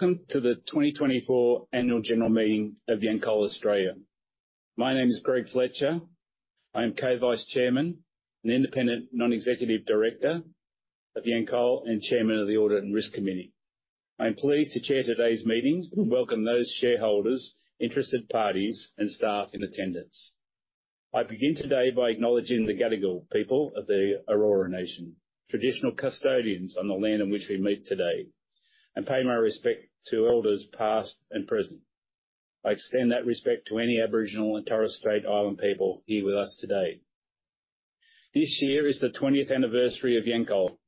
...Welcome to the 2024 Annual General Meeting of Yancoal Australia. My name is Greg Fletcher. I'm Co-Vice Chairman and Independent Non-Executive Director of Yancoal, and Chairman of the Audit and Risk Committee. I'm pleased to chair today's meeting, and welcome those shareholders, interested parties, and staff in attendance. I begin today by acknowledging the Gadigal people of the Eora Nation, traditional custodians on the land on which we meet today, and pay my respect to elders, past and present. I extend that respect to any Aboriginal and Torres Strait Islander people here with us today. This year is the 20th anniversary of Yancoal.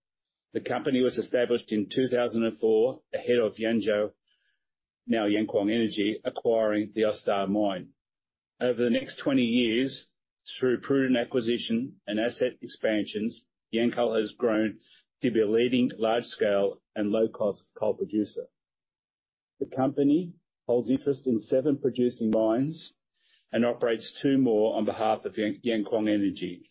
The company was established in 2004, ahead of Yanzhou, now Yankuang Energy, acquiring the Austar Coal Mine. Over the next 20 years, through prudent acquisition and asset expansions, Yancoal has grown to be a leading large-scale and low-cost coal producer. The company holds interest in seven producing mines and operates two more on behalf of Yankuang Energy.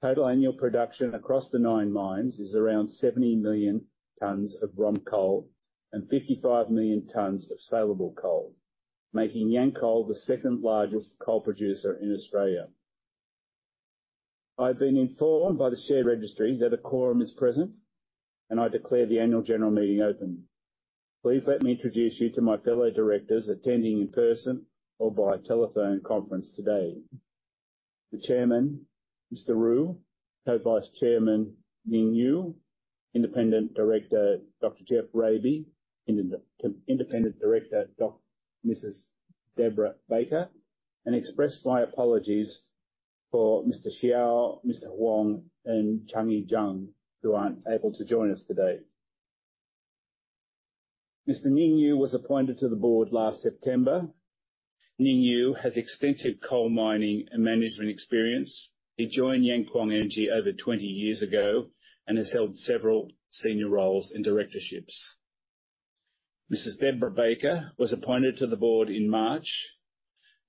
Total annual production across the nine mines is around 70 million tons of raw coal and 55 million tons of saleable coal, making Yancoal the second largest coal producer in Australia. I've been informed by the share registry that a quorum is present, and I declare the annual general meeting open. Please let me introduce you to my fellow directors attending in person or via telephone conference today. The Chairman, Mr. Ru, Co-Vice Chairman, Ning Yue, Independent Director, Dr. Geoffrey Raby, Independent Director, Mrs. Debra Bakker, and express my apologies for Mr. Xiao, Mr. Huang, and Changyi Zhang, who aren't able to join us today. Mr. Ning Yue was appointed to the board last September. Ning Yue has extensive coal mining and management experience. He joined Yankuang Energy over 20 years ago and has held several senior roles in directorships. Mrs. Debra Bakker was appointed to the board in March.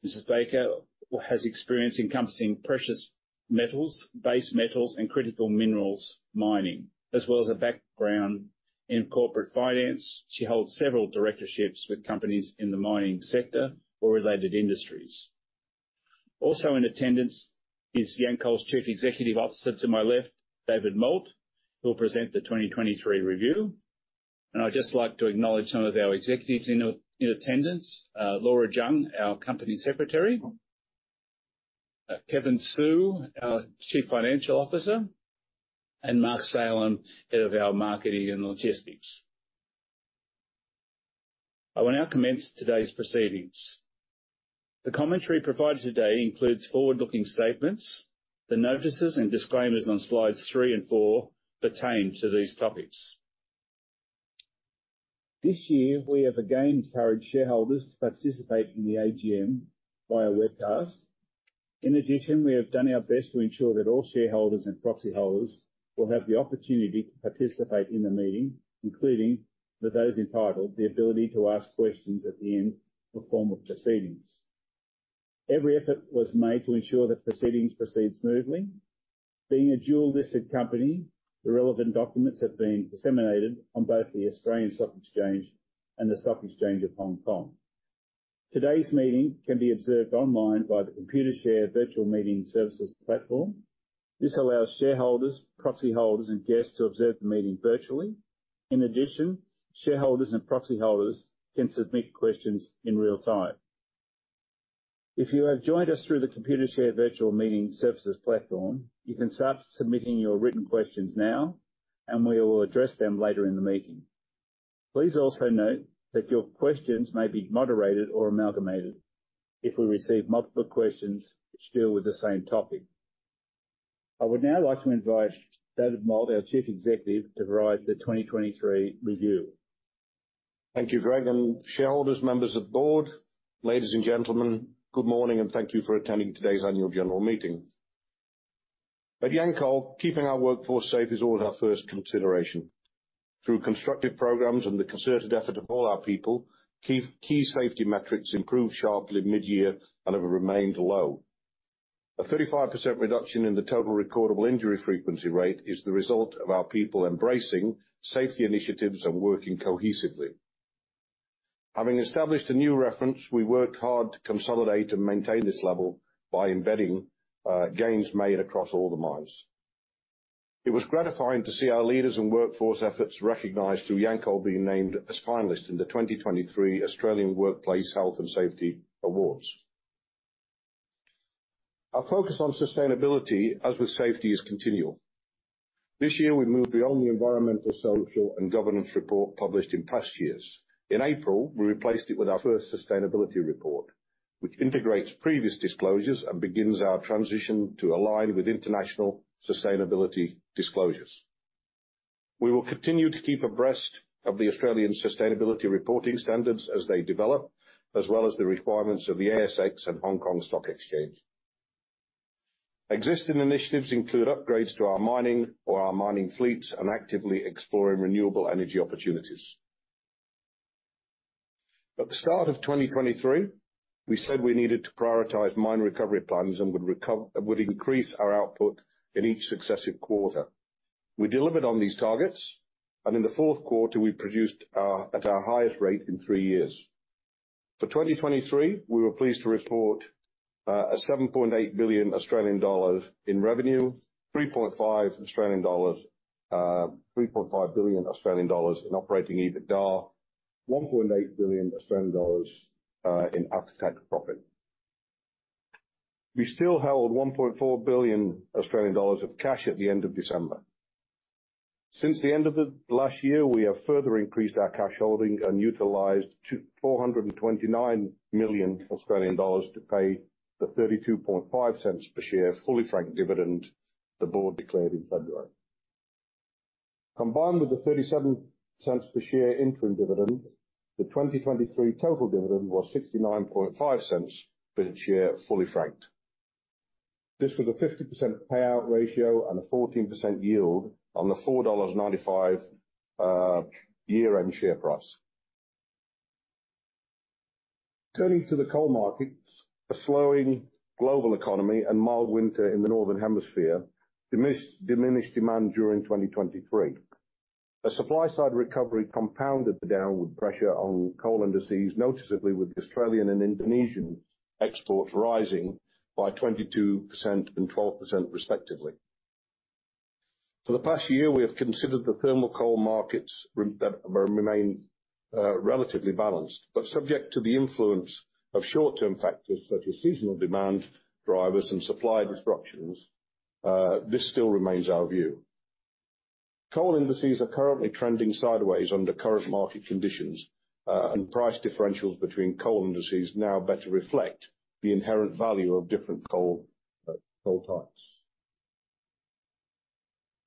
Mrs. Bakker has experience encompassing precious metals, base metals, and critical minerals mining, as well as a background in corporate finance. She holds several directorships with companies in the mining sector or related industries. Also in attendance is Yancoal's Chief Executive Officer, to my left, David Moult, who will present the 2023 review. And I'd just like to acknowledge some of our executives in attendance, Laura Zhang, our Company Secretary, Kevin Su, our Chief Financial Officer, and Mark Stanton, head of our Marketing and Logistics. I will now commence today's proceedings. The commentary provided today includes forward-looking statements. The notices and disclaimers on slides three and four pertain to these topics. This year, we have again encouraged shareholders to participate in the AGM via webcast. In addition, we have done our best to ensure that all shareholders and proxy holders will have the opportunity to participate in the meeting, including for those entitled, the ability to ask questions at the end of the formal proceedings. Every effort was made to ensure that proceedings proceed smoothly. Being a dual-listed company, the relevant documents have been disseminated on both the Australian Stock Exchange and the Stock Exchange of Hong Kong. Today's meeting can be observed online by the Computershare Virtual Meeting Services platform. This allows shareholders, proxy holders, and guests to observe the meeting virtually. In addition, shareholders and proxy holders can submit questions in real time. If you have joined us through the Computershare Virtual Meeting Services platform, you can start submitting your written questions now, and we will address them later in the meeting. Please also note that your questions may be moderated or amalgamated if we receive multiple questions that deal with the same topic. I would now like to invite David Moult, our Chief Executive, to provide the 2023 review. Thank you, Greg, and shareholders, members of board, ladies and gentlemen, good morning, and thank you for attending today's annual general meeting. At Yancoal, keeping our workforce safe is always our first consideration. Through constructive programs and the concerted effort of all our people, key, key safety metrics improved sharply mid-year and have remained low. A 35% reduction in the total recordable injury frequency rate is the result of our people embracing safety initiatives and working cohesively. Having established a new reference, we worked hard to consolidate and maintain this level by embedding gains made across all the mines. It was gratifying to see our leaders' and workforce efforts recognized through Yancoal being named as finalist in the 2023 Australian Workplace Health and Safety Awards. Our focus on sustainability, as with safety, is continual. This year we moved beyond the environmental, social, and governance report published in past years. In April, we replaced it with our first sustainability report, which integrates previous disclosures and begins our transition to align with international sustainability disclosures. We will continue to keep abreast of the Australian Sustainability Reporting Standards as they develop, as well as the requirements of the ASX and Hong Kong Stock Exchange. Existing initiatives include upgrades to our mining, or our mining fleets, and actively exploring renewable energy opportunities. At the start of 2023, we said we needed to prioritize mine recovery plans and would recover and would increase our output in each successive quarter. We delivered on these targets, and in the fourth quarter, we produced at our highest rate in three years. For 2023, we were pleased to report a 7.8 billion Australian dollars in revenue, 3.5 billion Australian dollars in operating EBITDA, 1.8 billion Australian dollars in after-tax profit. We still held 1.4 billion Australian dollars of cash at the end of December. Since the end of the last year, we have further increased our cash holding and utilized 249 million Australian dollars to pay the 0.325 per share, fully franked dividend the board declared in February. Combined with the 0.37 per share interim dividend, the 2023 total dividend was 0.695 per share, fully franked. This was a 50% payout ratio and a 14% yield on the 4.95 dollars year-end share price. Turning to the coal markets, a slowing global economy and mild winter in the Northern Hemisphere diminished demand during 2023. A supply-side recovery compounded the downward pressure on coal indices, noticeably with Australian and Indonesian exports rising by 22% and 12% respectively. For the past year, we have considered the thermal coal markets that remain relatively balanced, but subject to the influence of short-term factors, such as seasonal demand drivers, and supply disruptions. This still remains our view. Coal indices are currently trending sideways under current market conditions, and price differentials between coal indices now better reflect the inherent value of different coal types.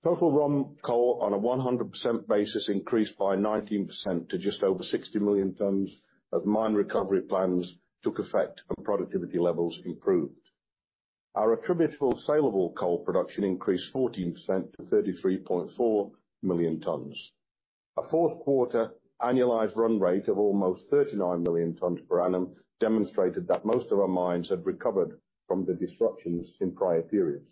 Total ROM coal, on a 100% basis, increased by 19% to just over 60 million tons as mine recovery plans took effect and productivity levels improved. Our attributable saleable coal production increased 14% to 33.4 million tons. A fourth quarter annualized run rate of almost 39 million tons per annum demonstrated that most of our mines have recovered from the disruptions in prior periods.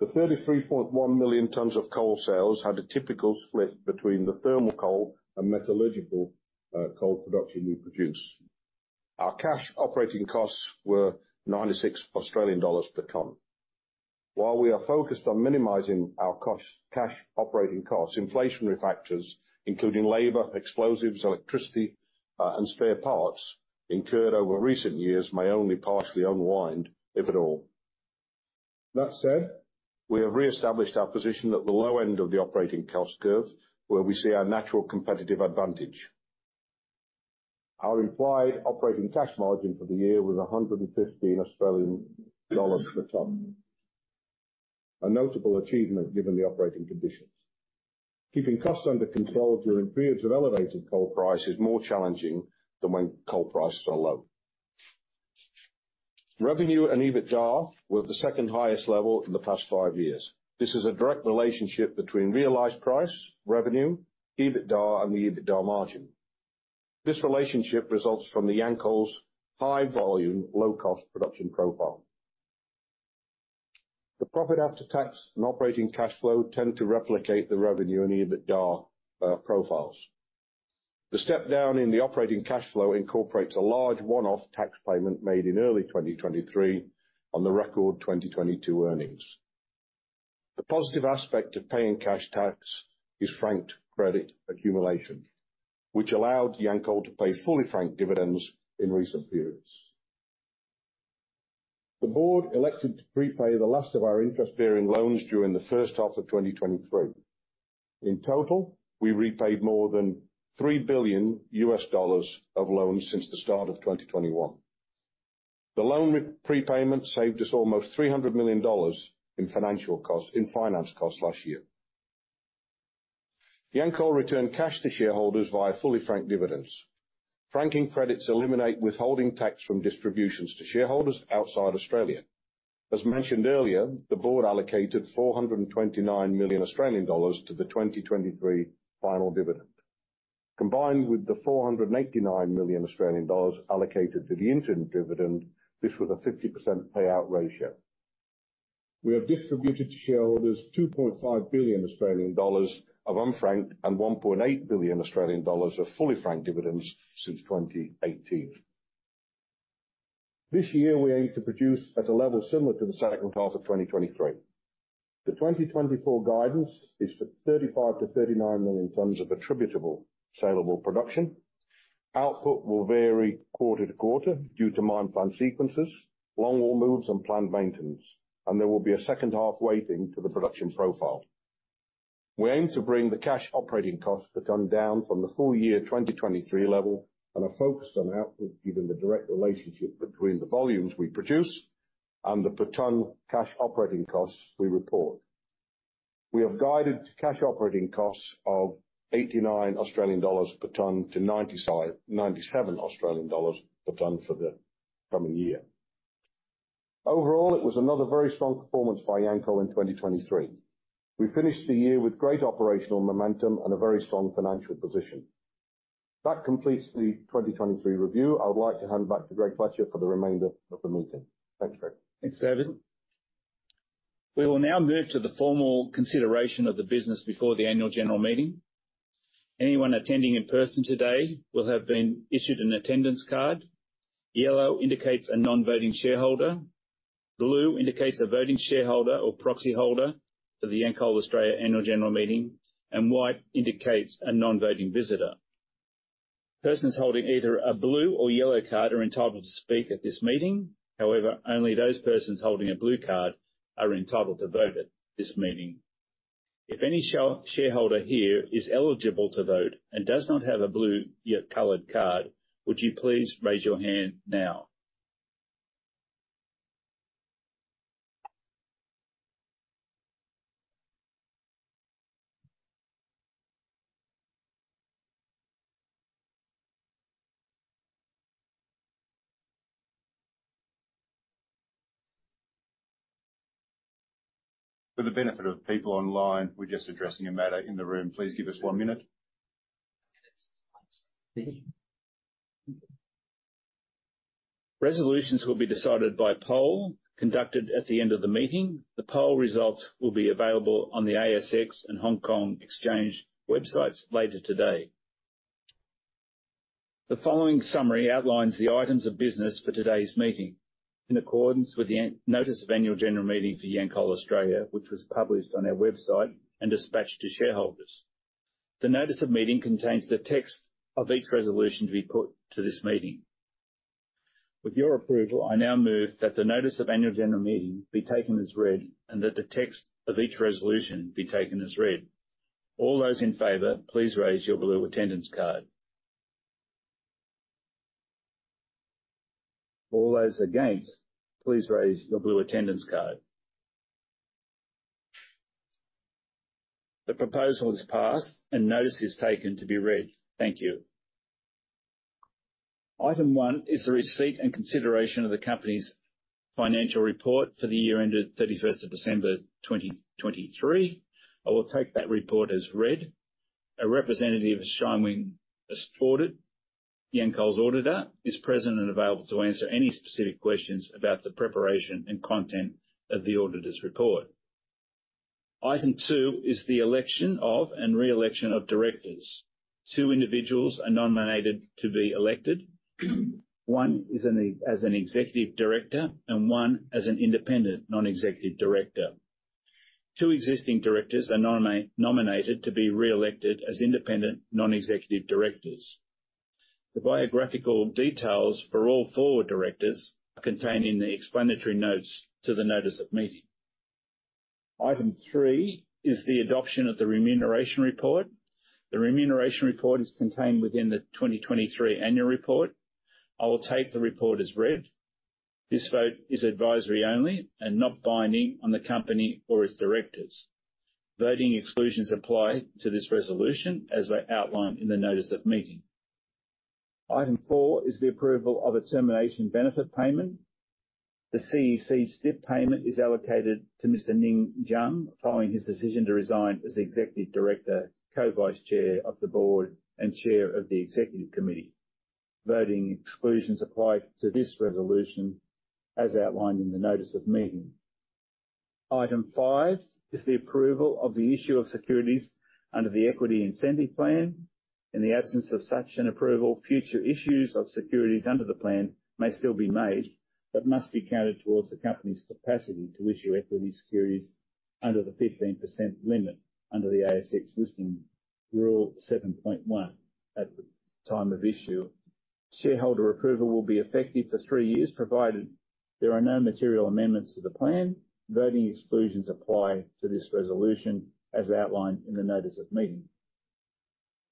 The 33.1 million tons of coal sales had a typical split between the thermal coal and metallurgical coal production we produce. Our cash operating costs were 96 Australian dollars per ton. While we are focused on minimizing our cost, cash operating costs, inflationary factors, including labor, explosives, electricity, and spare parts incurred over recent years may only partially unwind, if at all. That said, we have reestablished our position at the low end of the operating cost curve, where we see our natural competitive advantage. Our implied operating cash margin for the year was 115 Australian dollars per ton. A notable achievement, given the operating conditions. Keeping costs under control during periods of elevated coal price is more challenging than when coal prices are low. Revenue and EBITDA were the second highest level in the past five years. This is a direct relationship between realized price, revenue, EBITDA, and the EBITDA margin. This relationship results from the Yancoal's high volume, low-cost production profile. The profit after tax and operating cash flow tend to replicate the revenue and EBITDA profiles. The step down in the operating cash flow incorporates a large one-off tax payment made in early 2023 on the record 2022 earnings. The positive aspect of paying cash tax is franked credit accumulation, which allowed Yancoal to pay fully franked dividends in recent periods. The board elected to prepay the last of our interest-bearing loans during the first half of 2023. In total, we repaid more than $3 billion of loans since the start of 2021. The loan repayment saved us almost $300 million in financial costs, in finance costs last year. Yancoal returned cash to shareholders via fully franked dividends. Franking credits eliminate withholding tax from distributions to shareholders outside Australia. As mentioned earlier, the board allocated 429 million Australian dollars to the 2023 final dividend. Combined with the 489 million Australian dollars allocated to the interim dividend, this was a 50% payout ratio. We have distributed to shareholders 2.5 billion Australian dollars of unfranked and 1.8 billion Australian dollars of fully franked dividends since 2018. This year, we aim to produce at a level similar to the second half of 2023. The 2024 guidance is for 35-39 million tons of attributable saleable production. Output will vary quarter to quarter due to mine plan sequences, longwall moves, and planned maintenance, and there will be a second half weighting to the production profile. We aim to bring the cash operating costs per ton down from the full year 2023 level, and are focused on output, given the direct relationship between the volumes we produce and the per ton cash operating costs we report. We have guided cash operating costs of 89 Australian dollars per ton to 95-97 Australian dollars per ton for the coming year.... Overall, it was another very strong performance by Yancoal in 2023. We finished the year with great operational momentum and a very strong financial position. That completes the 2023 review. I would like to hand back to Greg Fletcher for the remainder of the meeting. Thanks, Greg. Thanks, David. We will now move to the formal consideration of the business before the annual general meeting. Anyone attending in person today will have been issued an attendance card. Yellow indicates a non-voting shareholder, blue indicates a voting shareholder or proxy holder for the Yancoal Australia Annual General Meeting, and white indicates a non-voting visitor. Persons holding either a blue or yellow card are entitled to speak at this meeting. However, only those persons holding a blue card are entitled to vote at this meeting. If any shareholder here is eligible to vote and does not have a blue or yellow colored card, would you please raise your hand now? For the benefit of people online, we're just addressing a matter in the room. Please give us one minute. Resolutions will be decided by poll conducted at the end of the meeting. The poll results will be available on the ASX and Hong Kong Stock Exchange websites later today. The following summary outlines the items of business for today's meeting. In accordance with the notice of annual general meeting for Yancoal Australia, which was published on our website and dispatched to shareholders. The notice of meeting contains the text of each resolution to be put to this meeting. With your approval, I now move that the notice of annual general meeting be taken as read, and that the text of each resolution be taken as read. All those in favor, please raise your blue attendance card. All those against, please raise your blue attendance card. The proposal is passed and notice is taken to be read. Thank you. Item one is the receipt and consideration of the company's financial report for the year ended 31 December 2023. I will take that report as read. A representative of ShineWing has reported Yancoal's auditor is present and available to answer any specific questions about the preparation and content of the auditor's report. Item two is the election of and re-election of directors. Two individuals are nominated to be elected. One is an executive director and one as an independent non-executive director. Two existing directors are nominated to be re-elected as independent non-executive directors. The biographical details for all four directors are contained in the explanatory notes to the notice of meeting. Item three is the adoption of the remuneration report. The remuneration report is contained within the 2023 annual report. I will take the report as read. This vote is advisory only and not binding on the company or its directors. Voting exclusions apply to this resolution, as they outlined in the notice of meeting. Item 4 is the approval of a termination benefit payment. The STIP payment is allocated to Mr. Ning Zhang, following his decision to resign as Executive Director, Co-Vice Chairman of the Board and Chair of the Executive Committee. Voting exclusions apply to this resolution, as outlined in the notice of meeting. Item 5 is the approval of the issue of securities under the equity incentive plan. In the absence of such an approval, future issues of securities under the plan may still be made, but must be counted towards the company's capacity to issue equity securities under the 15% limit under the ASX Listing Rule 7.1 at the time of issue. Shareholder approval will be effective for three years, provided there are no material amendments to the plan. Voting exclusions apply to this resolution, as outlined in the notice of meeting.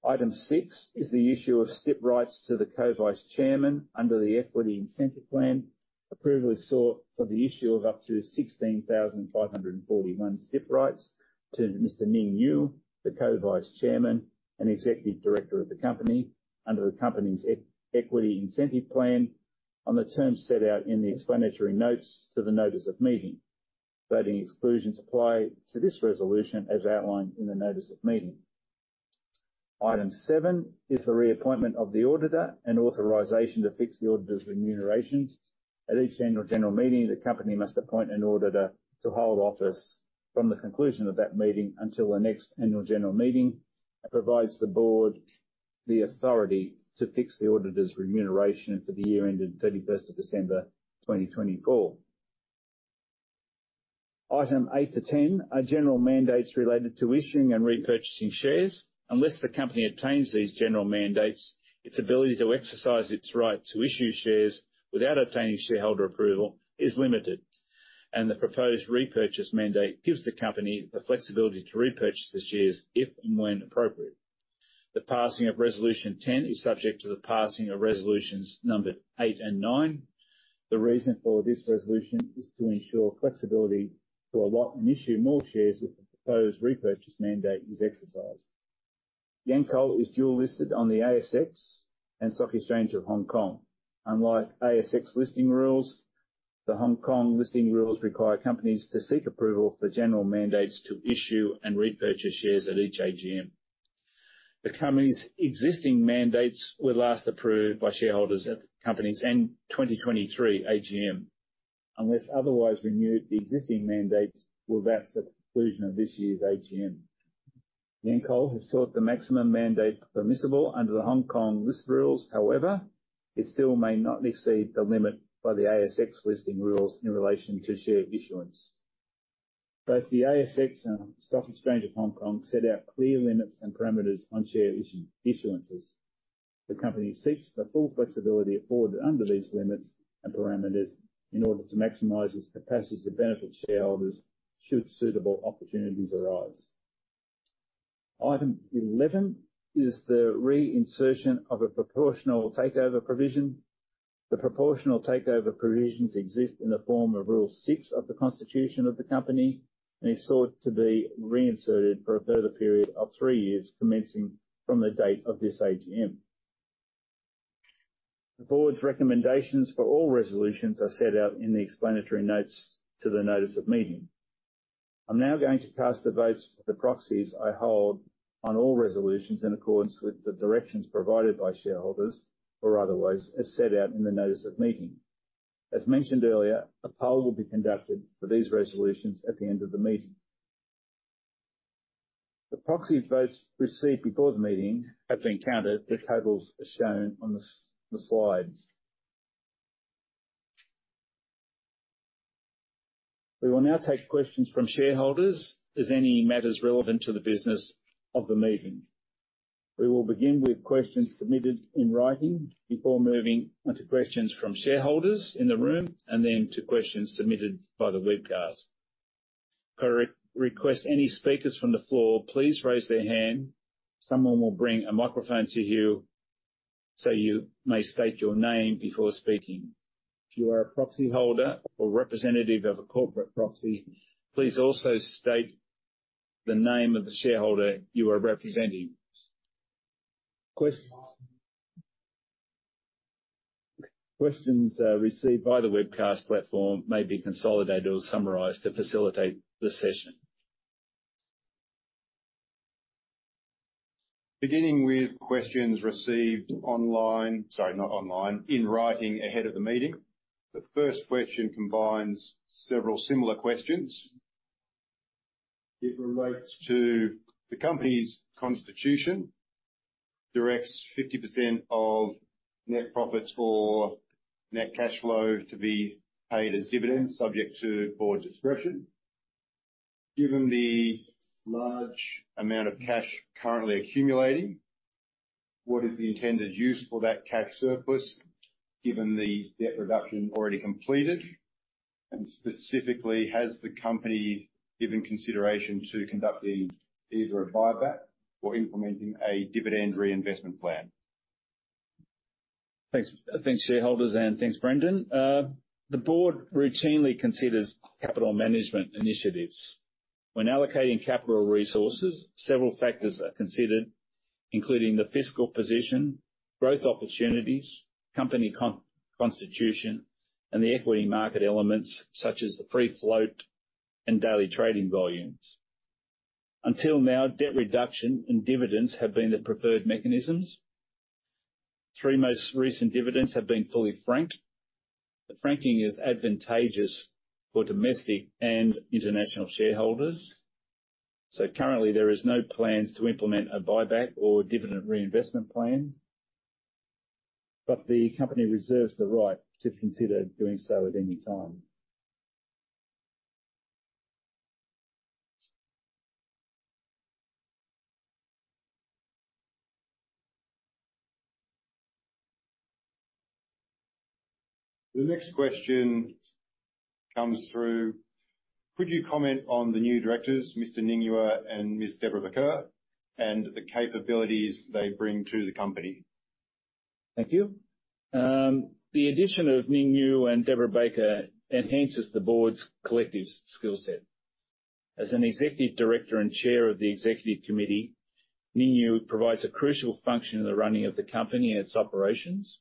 Item six is the issue of STIP rights to the Co-Vice Chairman under the Equity Incentive Plan. Approval is sought for the issue of up to 16,541 STIP rights to Mr. Ning Yue, the Co-Vice Chairman and Executive Director of the company, under the company's Equity Incentive Plan, on the terms set out in the explanatory notes to the notice of meeting. Voting exclusions apply to this resolution, as outlined in the notice of meeting. Item seven is the reappointment of the auditor and authorization to fix the auditor's remuneration. At each annual general meeting, the company must appoint an auditor to hold office from the conclusion of that meeting until the next annual general meeting. It provides the board the authority to fix the auditor's remuneration for the year ended 31 December 2024. Item 8 to 10 are general mandates related to issuing and repurchasing shares. Unless the company obtains these general mandates, its ability to exercise its right to issue shares without obtaining shareholder approval is limited, and the proposed repurchase mandate gives the company the flexibility to repurchase the shares if and when appropriate. The passing of resolution 10 is subject to the passing of resolutions numbered 8 and 9. The reason for this resolution is to ensure flexibility to allot and issue more shares if the proposed repurchase mandate is exercised. Yancoal is dual listed on the ASX and Stock Exchange of Hong Kong. Unlike ASX listing rules, the Hong Kong listing rules require companies to seek approval for general mandates to issue and repurchase shares at each AGM. The company's existing mandates were last approved by shareholders at the company's end 2023 AGM. Unless otherwise renewed, the existing mandates will lapse at the conclusion of this year's AGM. Yancoal has sought the maximum mandate permissible under the Hong Kong listing rules. However, it still may not exceed the limit by the ASX listing rules in relation to share issuance. Both the ASX and Stock Exchange of Hong Kong set out clear limits and parameters on share issuances. The company seeks the full flexibility afforded under these limits and parameters in order to maximize its capacity to benefit shareholders should suitable opportunities arise. Item 11 is the reinsertion of a proportional takeover provision. The proportional takeover provisions exist in the form of Rule Six of the Constitution of the company, and is sought to be reinserted for a further period of three years, commencing from the date of this AGM. The board's recommendations for all resolutions are set out in the explanatory notes to the notice of meeting. I'm now going to cast the votes for the proxies I hold on all resolutions, in accordance with the directions provided by shareholders or otherwise, as set out in the notice of meeting. As mentioned earlier, a poll will be conducted for these resolutions at the end of the meeting. The proxy votes received before the meeting have been counted. The totals are shown on the slide. We will now take questions from shareholders as any matters relevant to the business of the meeting. We will begin with questions submitted in writing, before moving on to questions from shareholders in the room, and then to questions submitted by the webcast. Could I request any speakers from the floor? Please raise their hand. Someone will bring a microphone to you, so you may state your name before speaking. If you are a proxyholder or representative of a corporate proxy, please also state the name of the shareholder you are representing. Questions received by the webcast platform may be consolidated or summarized to facilitate the session. Beginning with questions received online. Sorry, not online. In writing, ahead of the meeting. The first question combines several similar questions. It relates to the company's constitution, directs 50% of net profits or net cash flow to be paid as dividends, subject to board's discretion. Given the large amount of cash currently accumulating, what is the intended use for that cash surplus, given the debt reduction already completed? And specifically, has the company given consideration to conducting either a buyback or implementing a dividend reinvestment plan? Thanks, thanks, shareholders, and thanks, Brendan. The board routinely considers capital management initiatives. When allocating capital resources, several factors are considered, including the fiscal position, growth opportunities, company constitution, and the equity market elements, such as the free float and daily trading volumes. Until now, debt reduction and dividends have been the preferred mechanisms. Three most recent dividends have been fully franked. The franking is advantageous for domestic and international shareholders. So currently, there is no plans to implement a buyback or dividend reinvestment plan, but the company reserves the right to consider doing so at any time. The next question comes through: Could you comment on the new directors, Mr. Ning Yue and Ms. Debra Bakker, and the capabilities they bring to the company? Thank you. The addition of Ning Yue and Debra Bakker enhances the board's collective skill set. As an executive director and chair of the executive committee, Ning Yue provides a crucial function in the running of the company and its operations.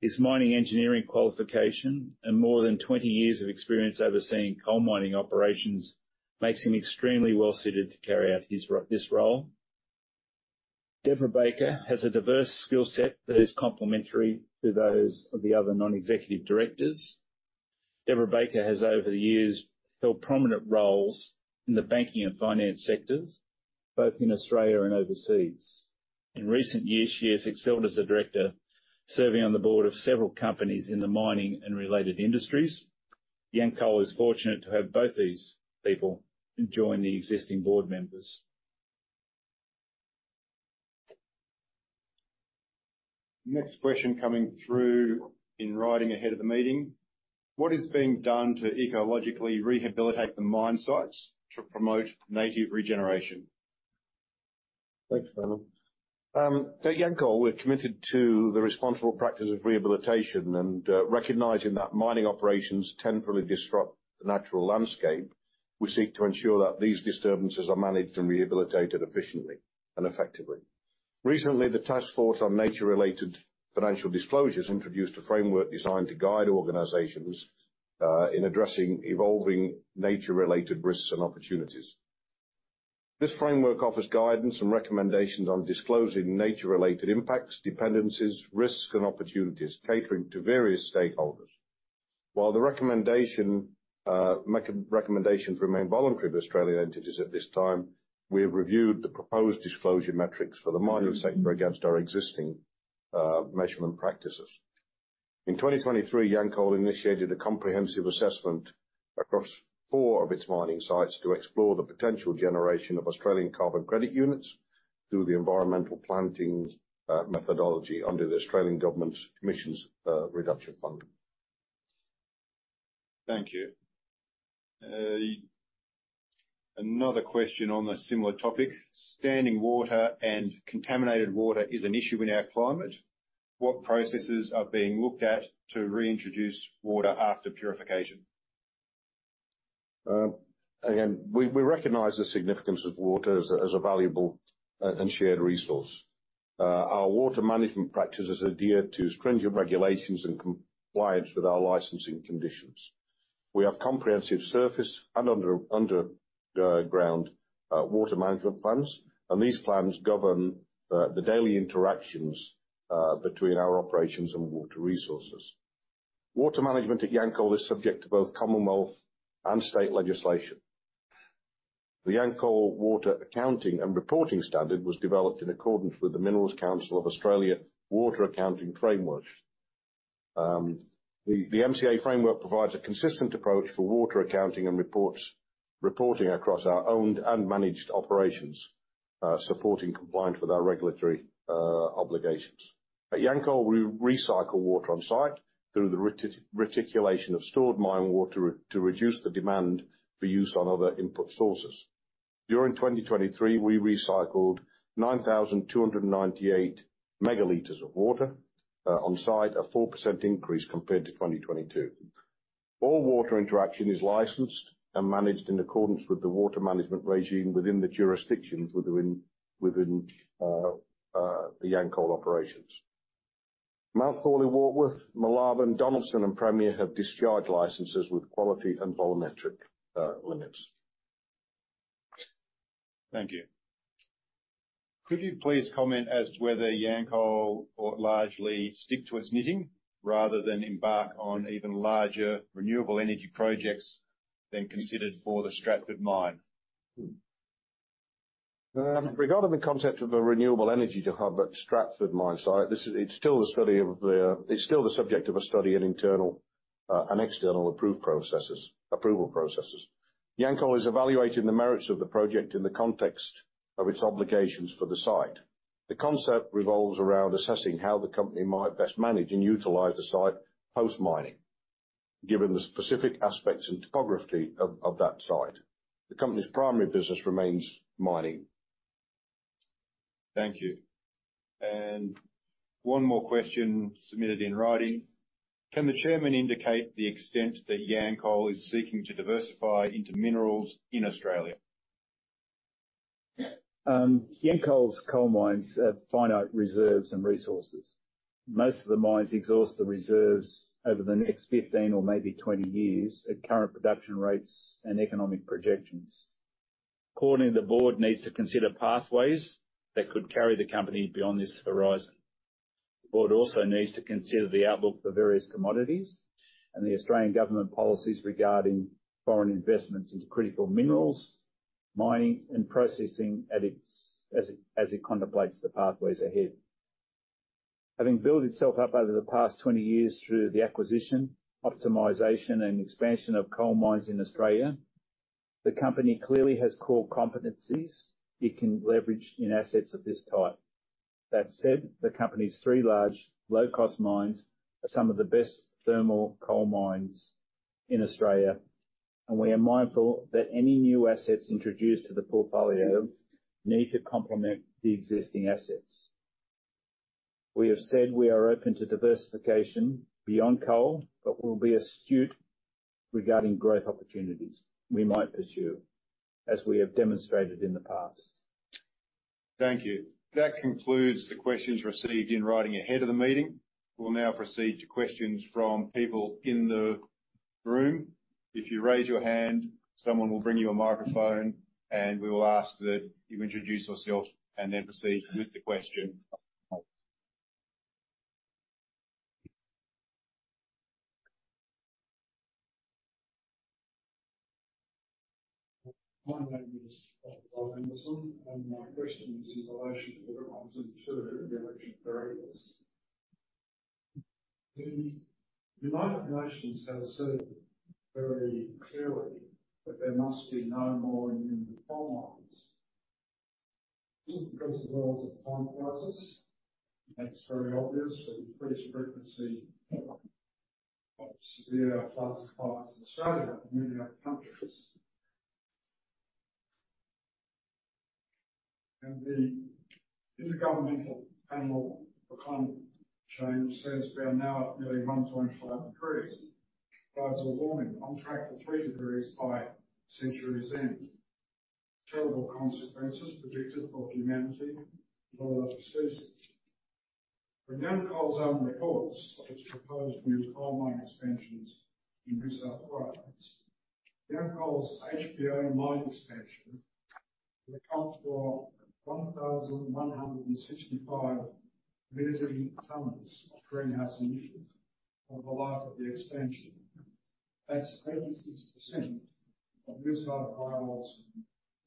His mining engineering qualification and more than 20 years of experience overseeing coal mining operations, makes him extremely well suited to carry out this role. Debra Bakker has a diverse skill set that is complementary to those of the other non-executive directors. Debra Bakker has, over the years, held prominent roles in the banking and finance sectors, both in Australia and overseas. In recent years, she has excelled as a director, serving on the board of several companies in the mining and related industries. Yancoal is fortunate to have both these people join the existing board members. Next question coming through in writing ahead of the meeting: What is being done to ecologically rehabilitate the mine sites to promote native regeneration? Thanks, Brendan. At Yancoal, we're committed to the responsible practice of rehabilitation, and recognizing that mining operations temporarily disrupt the natural landscape, we seek to ensure that these disturbances are managed and rehabilitated efficiently and effectively. Recently, the Taskforce on Nature-related Financial Disclosures introduced a framework designed to guide organizations in addressing evolving nature-related risks and opportunities. This framework offers guidance and recommendations on disclosing nature-related impacts, dependencies, risks, and opportunities, catering to various stakeholders. While the recommendations remain voluntary for Australian entities at this time, we have reviewed the proposed disclosure metrics for the mining sector against our existing measurement practices. In 2023, Yancoal initiated a comprehensive assessment across four of its mining sites to explore the potential generation of Australian Carbon Credit Units through the environmental planting methodology under the Australian Government's Emissions Reduction Fund. Thank you. Another question on a similar topic: standing water and contaminated water is an issue in our climate. What processes are being looked at to reintroduce water after purification? Again, we recognize the significance of water as a valuable and shared resource. Our water management practices adhere to stringent regulations and compliance with our licensing conditions. We have comprehensive surface and underground water management plans, and these plans govern the daily interactions between our operations and water resources. Water management at Yancoal is subject to both Commonwealth and state legislation. The Yancoal Water Accounting and Reporting Standard was developed in accordance with the Minerals Council of Australia Water Accounting Framework. The MCA framework provides a consistent approach for water accounting and reporting across our owned and managed operations, supporting compliance with our regulatory obligations. At Yancoal, we recycle water on site through the reticulation of stored mine water to reduce the demand for use on other input sources. During 2023, we recycled 9,298 megaliters of water, on site, a 4% increase compared to 2022. All water interaction is licensed and managed in accordance with the water management regime within the jurisdictions within the Yancoal operations. Mount Thorley Warkworth, Moolarben, Donaldson, and Premier have discharge licenses with quality and volumetric limits. Thank you. Could you please comment as to whether Yancoal will largely stick to its knitting, rather than embark on even larger renewable energy projects than considered for the Stratford Mine? Regarding the concept of a renewable energy hub at Stratford mine site, it's still the subject of a study and internal and external approval processes. Yancoal is evaluating the merits of the project in the context of its obligations for the site. The concept revolves around assessing how the company might best manage and utilize the site post-mining, given the specific aspects and topography of that site. The company's primary business remains mining. Thank you. And one more question submitted in writing: Can the chairman indicate the extent that Yancoal is seeking to diversify into minerals in Australia? Yancoal's coal mines have finite reserves and resources. Most of the mines exhaust the reserves over the next 15 or maybe 20 years, at current production rates and economic projections. Accordingly, the board needs to consider pathways that could carry the company beyond this horizon. The board also needs to consider the outlook for various commodities and the Australian government policies regarding foreign investments into critical minerals, mining, and processing as it contemplates the pathways ahead. Having built itself up over the past 20 years through the acquisition, optimization, and expansion of coal mines in Australia, the company clearly has core competencies it can leverage in assets of this type. That said, the company's three large, low-cost mines are some of the best thermal coal mines in Australia, and we are mindful that any new assets introduced to the portfolio need to complement the existing assets. We have said we are open to diversification beyond coal, but we'll be astute regarding growth opportunities we might pursue, as we have demonstrated in the past. Thank you. That concludes the questions received in writing ahead of the meeting. We'll now proceed to questions from people in the room. If you raise your hand, someone will bring you a microphone, and we will ask that you introduce yourself and then proceed with the question. My name is Bob Anderson, and my question is in relation to the items heard in the election variables. The United Nations has said very clearly that there must be no more new coal mines because of the world's climate crisis. It's very obvious with increased frequency of severe floods and fires in Australia and many other countries.... The Intergovernmental Panel on Climate Change says we are now at nearly 1.5 degrees of warming, on track for 3 degrees by century's end. Terrible consequences predicted for humanity, as well as species. From Yancoal's own records, of its proposed new coal mine expansions in New South Wales, Yancoal's HVO mine expansion will account for 1,165 million tonnes of greenhouse emissions over the life of the expansion. That's 86% of New South Wales'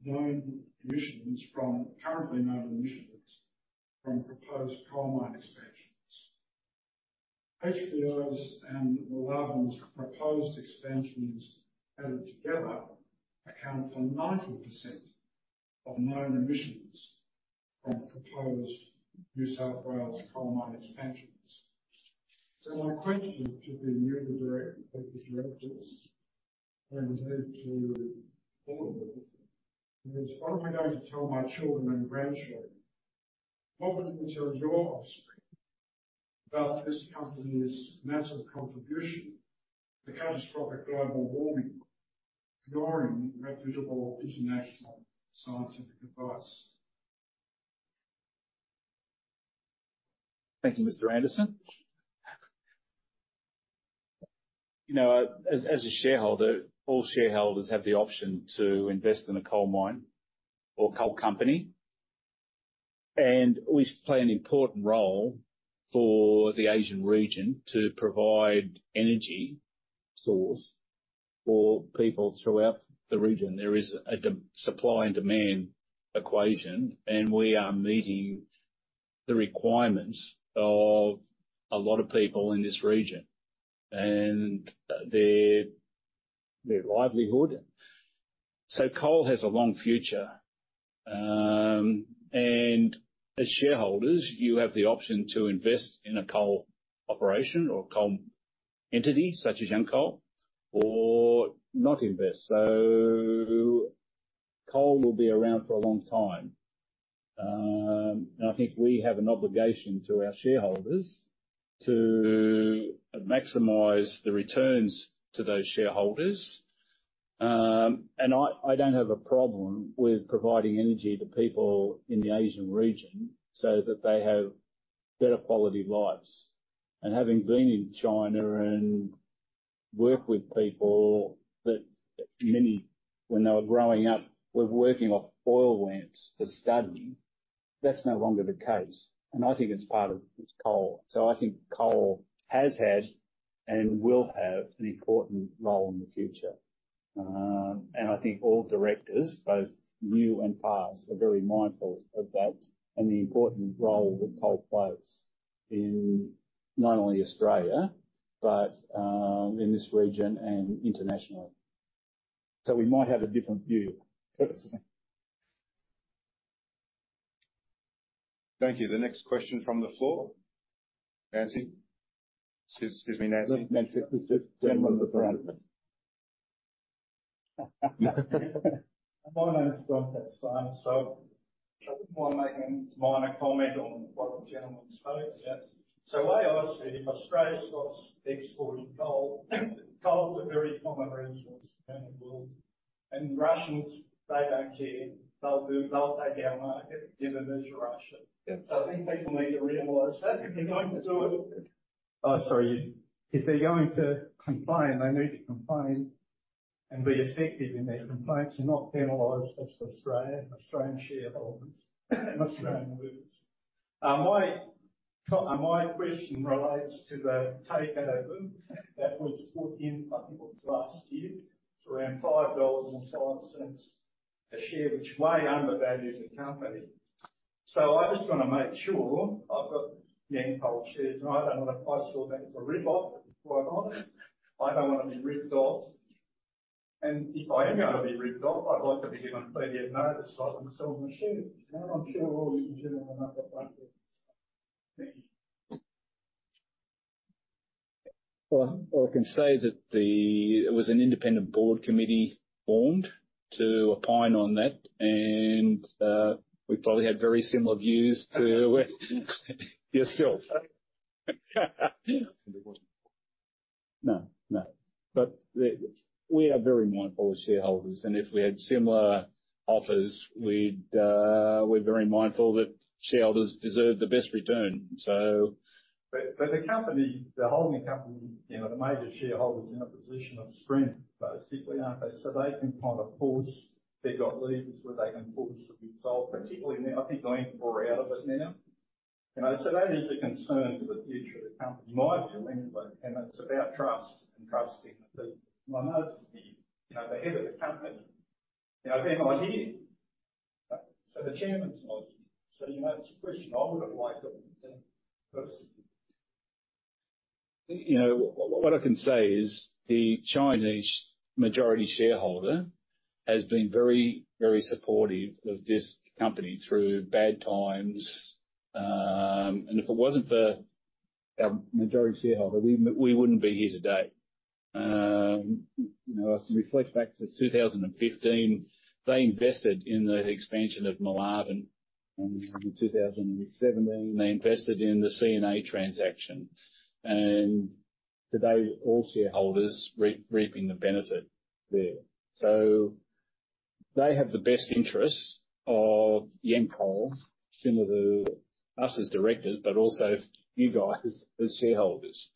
known emissions from currently known emissions from proposed coal mine expansions. HVO's and Warkworth's proposed expansions added together account for 90% of known emissions from proposed New South Wales coal mine expansions. So my question to the directors, and indeed to all of you, is: What am I going to tell my children and grandchildren? What will you tell your offspring about this company's massive contribution to catastrophic global warming, ignoring reputable international scientific advice? Thank you, Mr. Anderson. You know, as a shareholder, all shareholders have the option to invest in a coal mine or coal company, and we play an important role for the Asian region to provide energy source for people throughout the region. There is a demand-supply equation, and we are meeting the requirements of a lot of people in this region and their livelihood. So coal has a long future. And as shareholders, you have the option to invest in a coal operation or coal entity, such as Yancoal, or not invest. So coal will be around for a long time. And I think we have an obligation to our shareholders to maximize the returns to those shareholders. And I don't have a problem with providing energy to people in the Asian region so that they have better quality lives. Having been in China and worked with people, that many, when they were growing up, were working off oil lamps for study. That's no longer the case, and I think it's part of, it's coal. So I think coal has had, and will have, an important role in the future. And I think all directors, both new and past, are very mindful of that, and the important role that coal plays in not only Australia, but in this region and internationally. So we might have a different view. Thank you. The next question from the floor. Nancy? Excuse me, Nancy.... My name is John Epstein. So I wouldn't mind making a minor comment on what the gentleman spoke about. So I asked him, if Australia stops exporting coal, coal is a very common resource around the world, and Russians, they don't care. They'll take our market, given this is Russia. Yep. So I think people need to realize that if they're going to do it...Oh, sorry. If they're going to complain, they need to complain and be effective in their complaints and not penalize us, Australia, Australian shareholders and Australian workers. My question relates to the takeover that was put in, I think it was last year, for around 5.05 dollars a share, which way undervalues the company. So I just want to make sure I've got Yancoal shares, and I don't want to, I still think it's a rip-off, quite honest. I don't want to be ripped off, and if I am going to be ripped off, I'd like to be given plenty of notice so I can sell my shares. And I'm sure all these gentlemen have got that way. Thank you. Well, all I can say. It was an independent board committee formed to opine on that, and we probably had very similar views to yourself. No, no, but we are very mindful of shareholders, and if we had similar offers, we'd, we're very mindful that shareholders deserve the best return. So- But the company, the holding company, you know, the major shareholder, is in a position of strength, basically, aren't they? So they can kind of force.... They've got levers where they can force a result, particularly now. I think they're in or out of it now. You know, so that is a concern for the future of the company, in my view, anyway, and it's about trust and trusting. I noticed, you know, the head of the company, you know, they're not here. So the chairman's not here. So, you know, it's a question I would have liked them to answer. You know, what I can say is, the Chinese majority shareholder has been very, very supportive of this company through bad times. And if it wasn't for our majority shareholder, we wouldn't be here today. You know, as we reflect back to 2015, they invested in the expansion of Moolarben, and in 2017, they invested in the C&A transaction. And today, all shareholders reaping the benefit there. So they have the best interest of Yancoal, similar to us as directors, but also you guys as shareholders,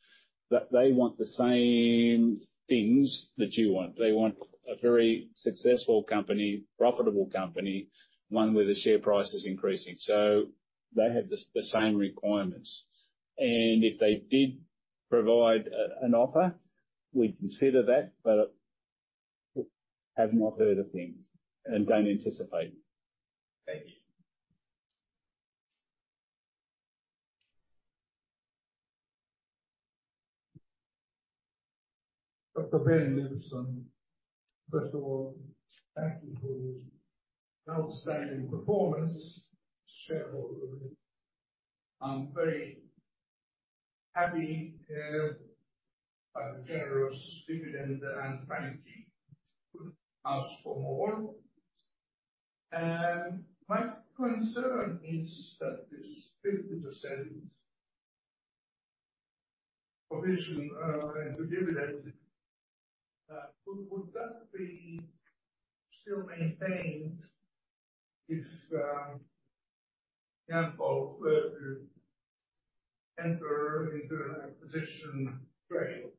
that they want the same things that you want. They want a very successful company, profitable company, one where the share price is increasing. So they have the same requirements. And if they did provide an offer, we'd consider that, but have not heard a thing and don't anticipate. Thank you. Dr. Ben Levingston, first of all, thank you for your outstanding performance to shareholders. I'm very happy by the generous dividend and frankly, couldn't ask for more. My concern is that this 50% provision and dividend would that be still maintained if Yancoal were to enter into an acquisition trail?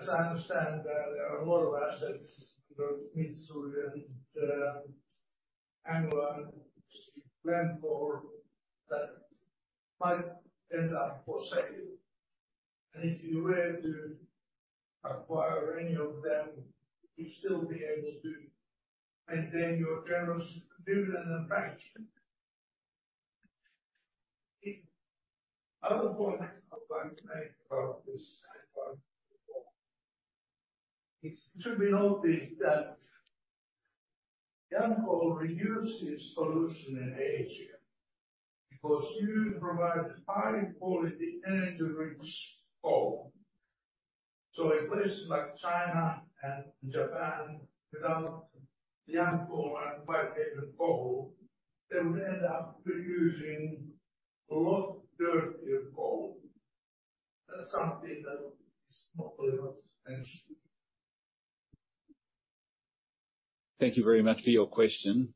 As I understand, there are a lot of assets under Mitsui and Anglo American that might end up for sale. If you were to acquire any of them, you'd still be able to maintain your generous dividend and franking. Other point I would like to make about this point. It should be noted that Yancoal reduced its pollution in Asia, because you provide high quality, energy-rich coal. So in places like China and Japan, without Yancoal and Whitehaven Coal, they would end up reducing a lot dirtier coal. That's something that is not really mentioned. Thank you very much for your question.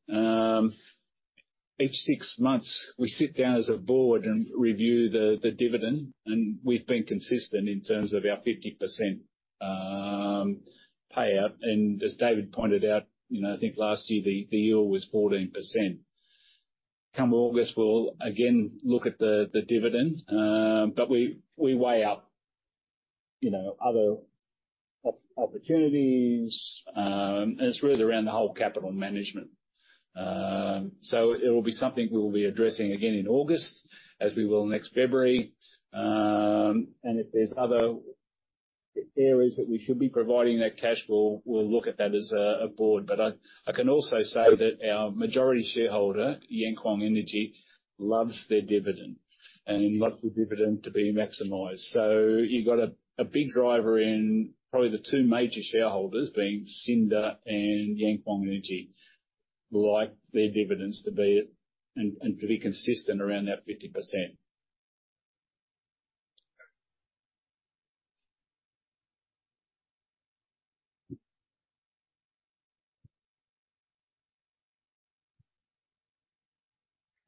Each six months, we sit down as a board and review the dividend, and we've been consistent in terms of our 50% payout. As David pointed out, you know, I think last year the yield was 14%. Come August, we'll again look at the dividend, but we weigh up, you know, other opportunities. And it's really around the whole capital management. So it will be something we'll be addressing again in August, as we will next February. And if there's other areas that we should be providing that cash, we'll look at that as a board. But I can also say that our majority shareholder, Yankuang Energy, loves their dividend and loves the dividend to be maximized. So you've got a big driver in probably the two major shareholders, being Cinda and Yankuang Energy, like their dividends to be at and to be consistent around that 50%.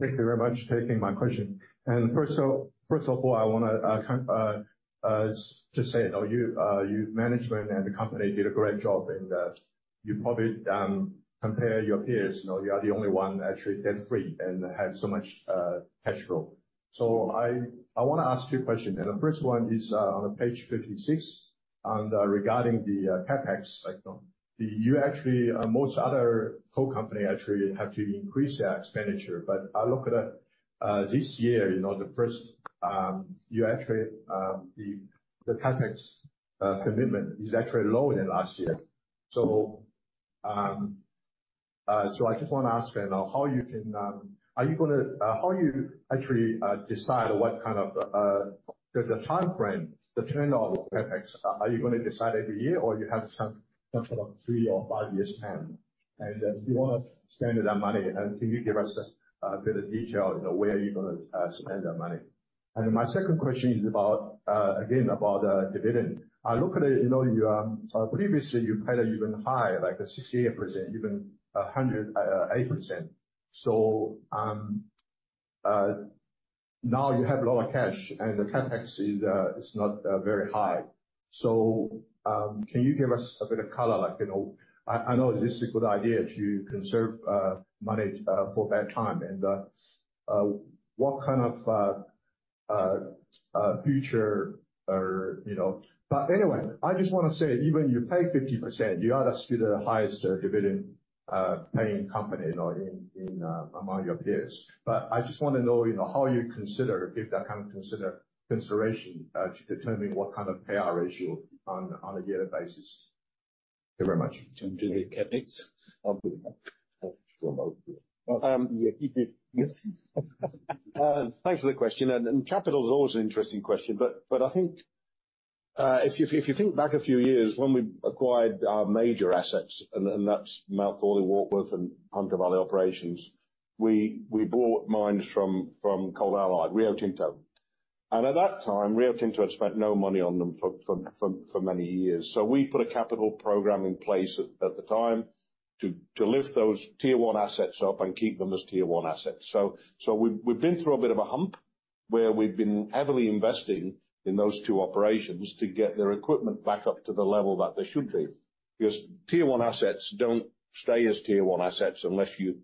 Thank you very much for taking my question. And first of all, first of all, I want to, kind, just say, you know, you, you management and the company did a great job, and, you probably, compare your peers, you know, you are the only one actually debt-free and have so much, cash flow. So I, I want to ask two questions, and the first one is, on page 56, on the- regarding the, CapEx cycle. Do you actually, most other coal company actually have to increase their expenditure, but I look at, this year, you know, the first, you actually, the, the CapEx, commitment is actually lower than last year. So, I just want to ask, you know, how you actually decide what kind of the time frame, the trend of CapEx? Are you going to decide every year, or you have some sort of three or five years plan? And if you want to spend that money, and can you give us a bit of detail, you know, where are you going to spend that money? And my second question is about, again, about dividend. I look at it, you know, you previously you paid an even higher, like 68%, even a hundred eight percent. So, now you have a lot of cash, and the CapEx is not very high. So, can you give us a bit of color, like, you know, I, I know this is a good idea to conserve money for bad time, and future or... You know? But anyway, I just want to say, even you pay 50%, you are still the highest dividend paying company, you know, in, in among your peers. But I just want to know, you know, how you consider, give that kind of consider- consideration to determine what kind of payout ratio on, on a yearly basis?... Thank you very much. To do the CapEx? I'll do that. Thanks for the question, and capital is always an interesting question, but I think if you think back a few years when we acquired our major assets, and that's Mount Thorley Warkworth and Hunter Valley Operations, we bought mines from Coal & Allied, Rio Tinto. And at that time, Rio Tinto had spent no money on them for many years. So we put a capital program in place at the time to lift those Tier One assets up and keep them as Tier One assets. So we've been through a bit of a hump, where we've been heavily investing in those two operations to get their equipment back up to the level that they should be. Because Tier One assets don't stay as Tier One assets unless you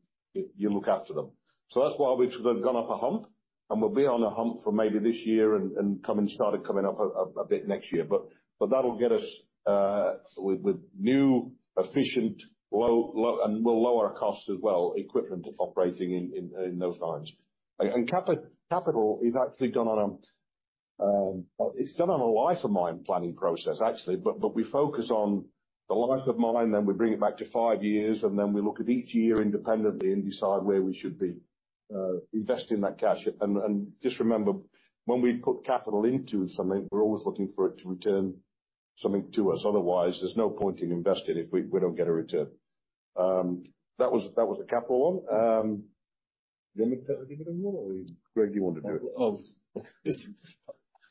look after them. So that's why we've sort of gone up a hump, and we'll be on a hump for maybe this year and coming up a bit next year. But that'll get us with new, efficient, low-cost equipment operating in those mines, and we'll lower our costs as well. And capital is actually done on a life of mine planning process, actually. But we focus on the life of mine, then we bring it back to five years, and then we look at each year independently and decide where we should be investing that cash. And just remember, when we put capital into something, we're always looking for it to return something to us. Otherwise, there's no point in investing if we don't get a return. That was a capital one. Do you want me to take the dividend one, or, Greg, you want to do it?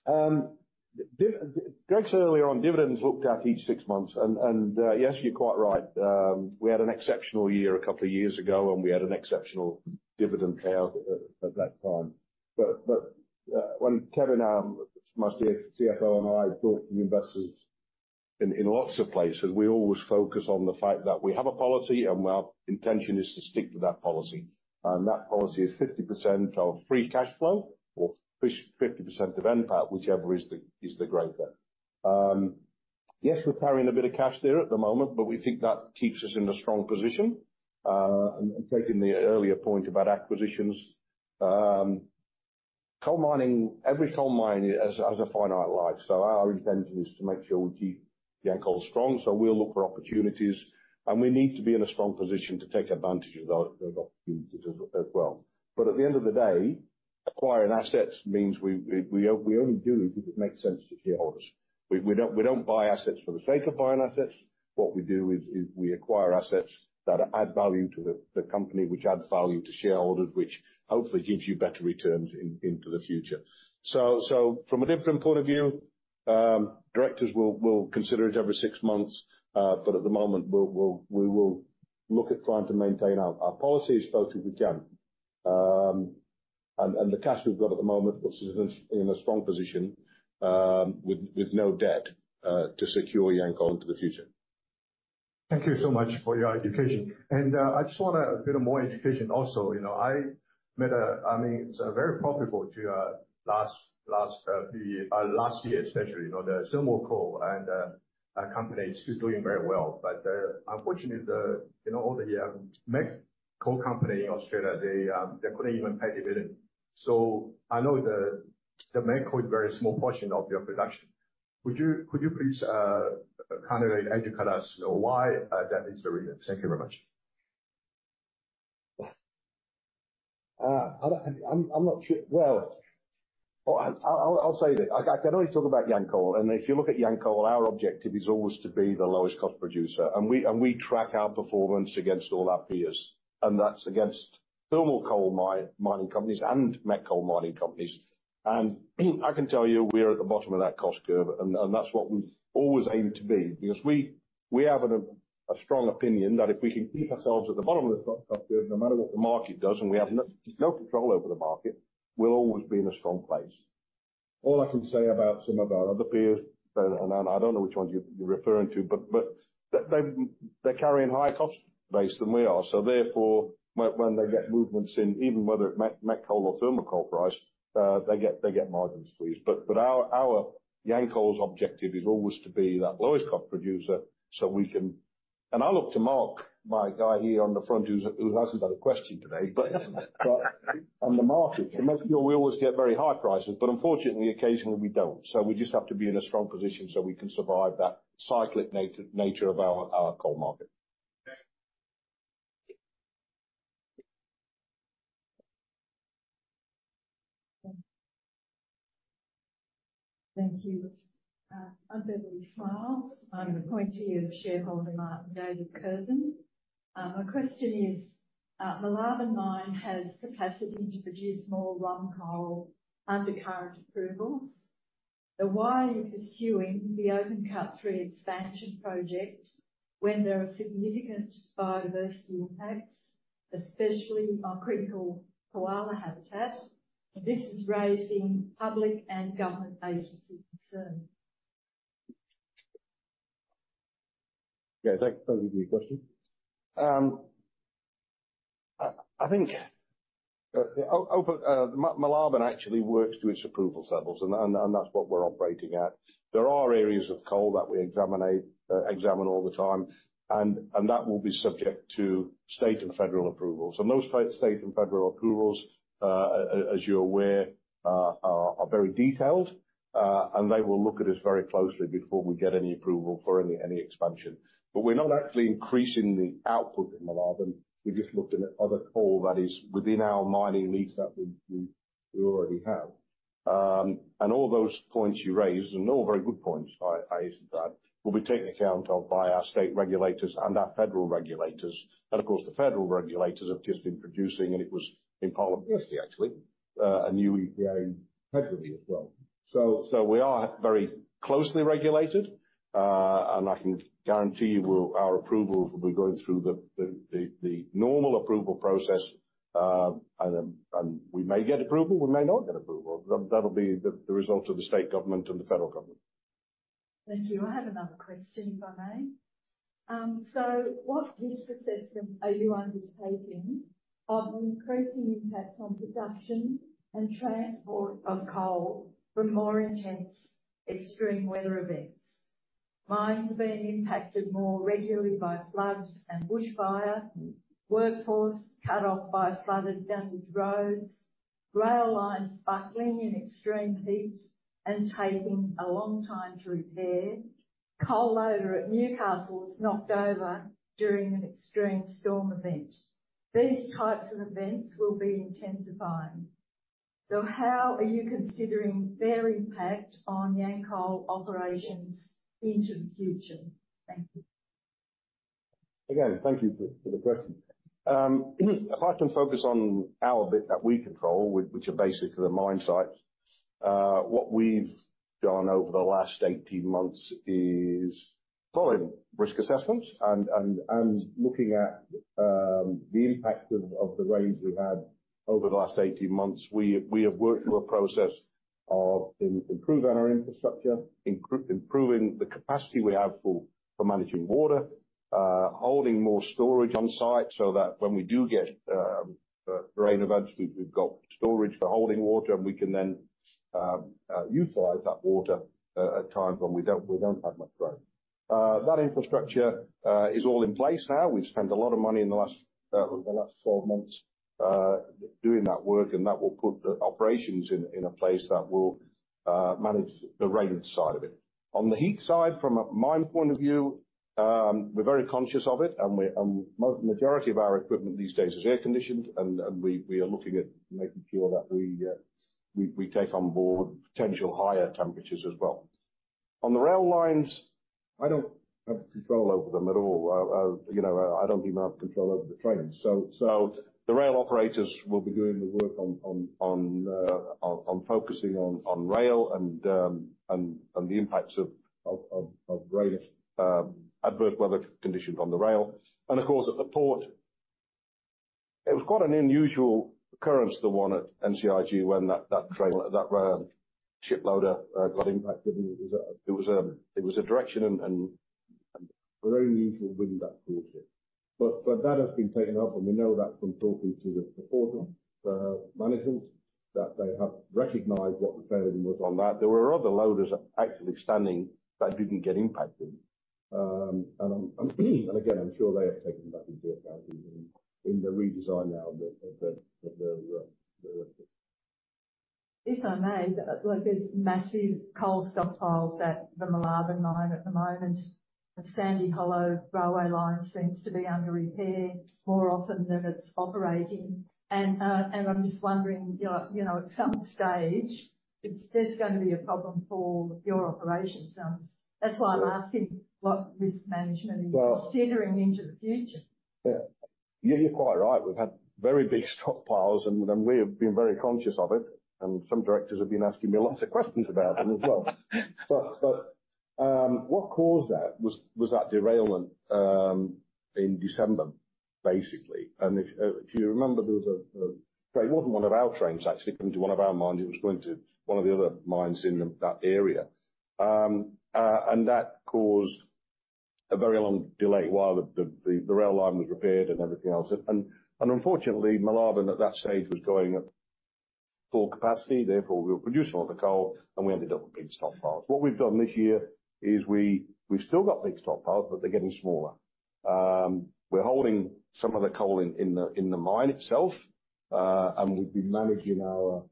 Oh. Greg, earlier on, dividends looked at each six months, and yes, you're quite right. We had an exceptional year a couple of years ago, and we had an exceptional dividend payout at that time. But when Kevin, my CFO, and I talk to investors in lots of places, we always focus on the fact that we have a policy and our intention is to stick to that policy. And that policy is 50% of free cash flow, or 50% of NPAT, whichever is the greater. Yes, we're carrying a bit of cash there at the moment, but we think that keeps us in a strong position. And taking the earlier point about acquisitions, coal mining, every coal mine has a finite life, so our intention is to make sure we keep Yancoal strong. So we'll look for opportunities, and we need to be in a strong position to take advantage of those opportunities as well. But at the end of the day, acquiring assets means we only do it if it makes sense to shareholders. We don't buy assets for the sake of buying assets. What we do is we acquire assets that add value to the company, which adds value to shareholders, which hopefully gives you better returns into the future. So from a different point of view, directors will consider it every six months, but at the moment, we will look at trying to maintain our policy as well as we can. And the cash we've got at the moment puts us in a strong position, with no debt, to secure Yancoal into the future. Thank you so much for your education. I just want a bit more education also. You know, I mean, it's very profitable too, last year, especially, you know, the thermal coal, and our company is still doing very well. But unfortunately, you know, all the met coal company in Australia, they, they couldn't even pay dividend. So I know the met coal is a very small portion of your production. Would you, could you please kind of educate us why that is the reason? Thank you very much. I don't... I'm not sure. Well, I'll say this: I can only talk about Yancoal, and if you look at Yancoal, our objective is always to be the lowest cost producer. And we track our performance against all our peers, and that's against thermal coal mining companies and met coal mining companies. And I can tell you, we're at the bottom of that cost curve, and that's what we've always aimed to be, because we have a strong opinion that if we can keep ourselves at the bottom of the cost curve, no matter what the market does, and we have no control over the market, we'll always be in a strong place. All I can say about some of our other peers, and I don't know which ones you're referring to, but they, they're carrying higher cost base than we are. So therefore, when they get movements in, even whether it's met coal or thermal coal price, they get margin squeeze. But our Yancoal's objective is always to be that lowest cost producer, so we can. And I look to Mark, my guy here on the front, who hasn't had a question today, but on the market, we always get very high prices, but unfortunately, occasionally we don't. So we just have to be in a strong position so we can survive that cyclic nature of our coal market. Thank you. I'm Beverley Smiles. I'm an appointee of shareholder Martin David Curzon. My question is, the Moolarben Mine has capacity to produce more ROM coal under current approvals. So why are you pursuing the Open Cut Three expansion project when there are significant biodiversity impacts, especially on critical koala habitat? This is raising public and government agency concern. Yeah, thank you for your question. Moolarben actually works to its approval levels, and that's what we're operating at. There are areas of coal that we examine all the time, and that will be subject to state and federal approvals. And those state and federal approvals, as you're aware, are very detailed, and they will look at us very closely before we get any approval for any expansion. But we're not actually increasing the output in Moolarben. We're just looking at other coal that is within our mining lease that we already have. And all those points you raised, and all very good points, I add that, will be taken account of by our state regulators and our federal regulators. Of course, the federal regulators have just been producing, and it was in parliament yesterday, actually, a new EPA federally as well. So we are very closely regulated, and I can guarantee you we'll, our approvals will be going through the normal approval process, and we may get approval, we may not get approval. That, that'll be the result of the state government and the federal government. Thank you. I have another question, if I may. So what risk assessment are you undertaking of the increasing impacts on production and transport of coal from more intense extreme weather events? Mines are being impacted more regularly by floods and bushfire, workforce cut off by flooded vantage roads, rail lines buckling in extreme heat and taking a long time to repair. Coal loader at Newcastle is knocked over during an extreme storm event. These types of events will be intensifying, so how are you considering their impact on Yancoal operations into the future? Thank you. Again, thank you for the question. If I can focus on our bit that we control, which are basically the mine sites. What we've done over the last 18 months is following risk assessments and looking at the impact of the rains we've had over the last 18 months, we have worked through a process of improving our infrastructure, improving the capacity we have for managing water, holding more storage on site so that when we do get rain events, we've got storage for holding water, and we can then utilize that water at times when we don't have much rain. That infrastructure is all in place now. We've spent a lot of money in the last 12 months doing that work, and that will put the operations in a place that will manage the rain side of it. On the heat side, from a mine point of view, we're very conscious of it, and majority of our equipment these days is air-conditioned, and we are looking at making sure that we take on board potential higher temperatures as well. On the rail lines, I don't have control over them at all. You know, I don't even have control over the trains. So the rail operators will be doing the work on focusing on rail and the impacts of rain, adverse weather conditions on the rail. And of course, at the port, it was quite an unusual occurrence, the one at NCIG, when that ship loader got impacted. And it was a direction and a very unusual wind that caused it. But that has been taken up, and we know that from talking to the port managers that they have recognized what the failing was on that. There were other loaders actually standing that didn't get impacted. And again, I'm sure they have taken that into account in the redesign now of the. If I may, like, there's massive coal stockpiles at the Moolarben mine at the moment. The Sandy Hollow railway line seems to be under repair more often than it's operating. And, and I'm just wondering, you know, you know, at some stage, there's gonna be a problem for your operations. That's why I'm asking what risk management are you- Well- considering into the future? Yeah. You're quite right. We've had very big stockpiles, and we have been very conscious of it, and some directors have been asking me lots of questions about them as well. But what caused that was that derailment in December, basically. And if you remember, there was a... It wasn't one of our trains actually coming to one of our mines. It was going to one of the other mines in that area. And that caused a very long delay while the rail line was repaired and everything else. And unfortunately, Moolarben at that stage was going at full capacity, therefore, we were producing all the coal, and we ended up with big stockpiles. What we've done this year is we've still got big stockpiles, but they're getting smaller. We're holding some of the coal in the mine itself, and we've been managing our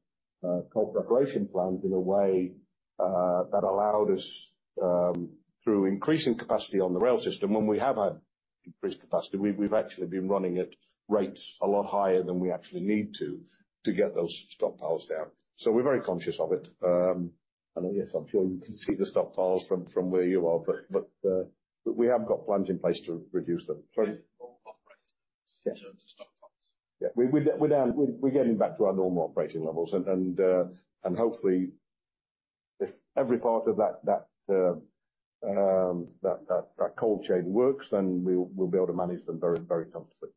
coal preparation plants in a way that allowed us, through increasing capacity on the rail system, when we have had increased capacity, we've actually been running at rates a lot higher than we actually need to get those stockpiles down. So we're very conscious of it. And yes, I'm sure you can see the stockpiles from where you are, but we have got plans in place to reduce them. Sorry? Operation stockpiles. Yeah. We're down, we're getting back to our normal operating levels, and hopefully, if every part of that coal chain works, then we'll be able to manage them very, very comfortably. ...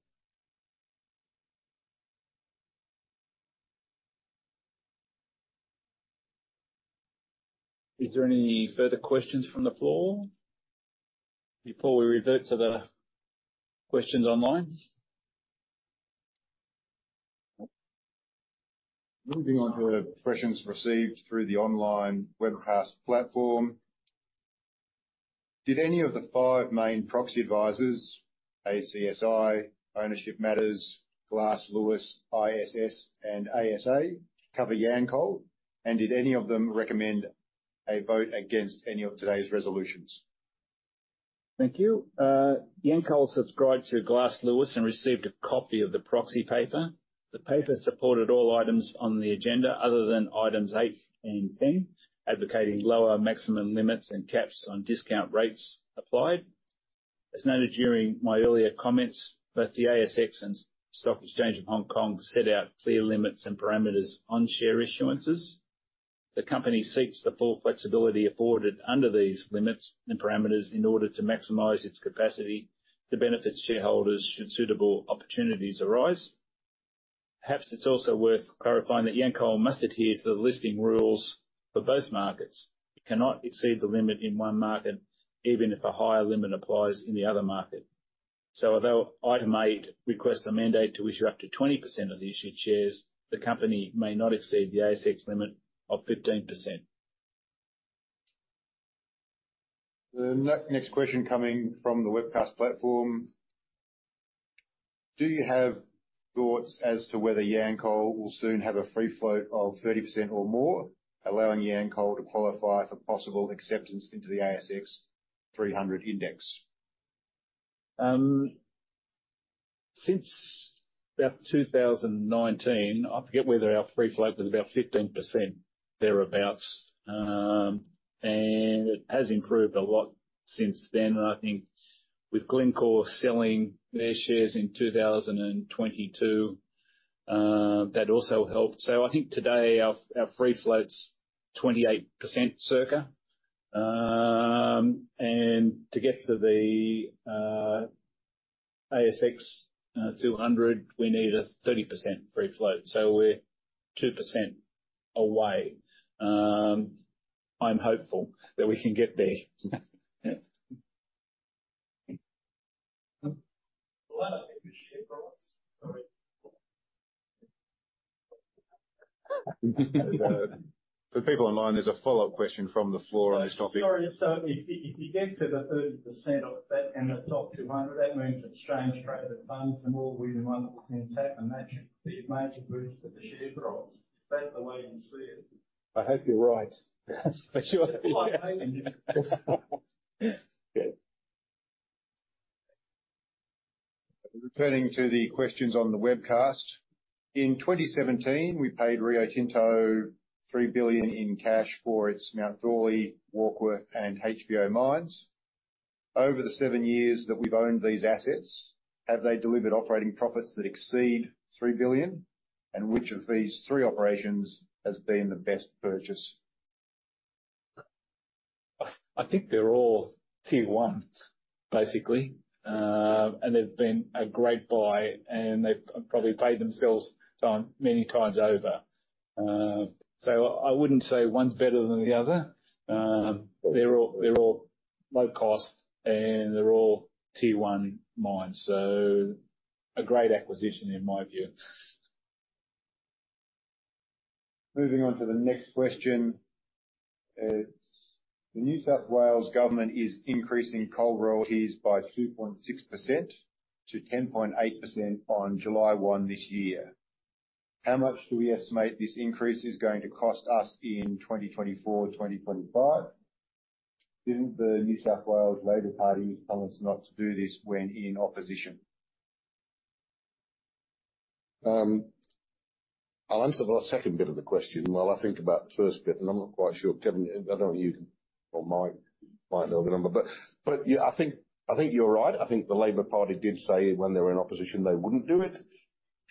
Is there any further questions from the floor before we revert to the questions online? Moving on to the questions received through the online webcast platform. Did any of the five main proxy advisors, ACSI, Ownership Matters, Glass Lewis, ISS, and ASA, cover Yancoal? And did any of them recommend a vote against any of today's resolutions? Thank you. Yancoal subscribed to Glass Lewis and received a copy of the proxy paper. The paper supported all items on the agenda, other than items 8 and 10, advocating lower maximum limits and caps on discount rates applied. As noted during my earlier comments, both the ASX and Stock Exchange of Hong Kong set out clear limits and parameters on share issuances. The company seeks the full flexibility afforded under these limits and parameters in order to maximize its capacity to benefit shareholders should suitable opportunities arise. Perhaps it's also worth clarifying that Yancoal must adhere to the listing rules for both markets. It cannot exceed the limit in one market, even if a higher limit applies in the other market. Although item eight requests a mandate to issue up to 20% of the issued shares, the company may not exceed the ASX limit of 15%. That next question coming from the webcast platform: Do you have thoughts as to whether Yancoal will soon have a free float of 30% or more, allowing Yancoal to qualify for possible acceptance into the ASX 300 index? Since about 2019, I forget whether our free float was about 15%, thereabouts. It has improved a lot since then. I think with Glencore selling their shares in 2022, that also helped. So I think today, our, our free float's 28%, circa. To get to the ASX 200, we need a 30% free float, so we're 2% away. I'm hopeful that we can get there. Well, that'll increase the share price. Sorry. For people online, there's a follow-up question from the floor on this topic. Sorry. So if you get to the 30% of that, and the top 200, that means it's exchange-traded funds and all the wonderful things happen, that should be a major boost to the share price. Is that the way you see it? I hope you're right. But sure. I think. Returning to the questions on the webcast. In 2017, we paid Rio Tinto 3 billion in cash for its Mount Thorley, Warkworth, and HVO mines. Over the seven years that we've owned these assets, have they delivered operating profits that exceed 3 billion? And which of these three operations has been the best purchase? I think they're all Tier Ones, basically. And they've been a great buy, and they've probably paid themselves time many times over. So I wouldn't say one's better than the other. They're all, they're all low cost, and they're all Tier One mines, so a great acquisition in my view. Moving on to the next question. The New South Wales government is increasing coal royalties by 2.6% to 10.8% on July 1 this year. How much do we estimate this increase is going to cost us in 2024, 2025? Didn't the New South Wales Labor Party promise not to do this when in opposition? I'll answer the second bit of the question while I think about the first bit, and I'm not quite sure, Kevin, I don't want you on my mind on the number, but, but yeah, I think, I think you're right. I think the Labor Party did say when they were in opposition, they wouldn't do it.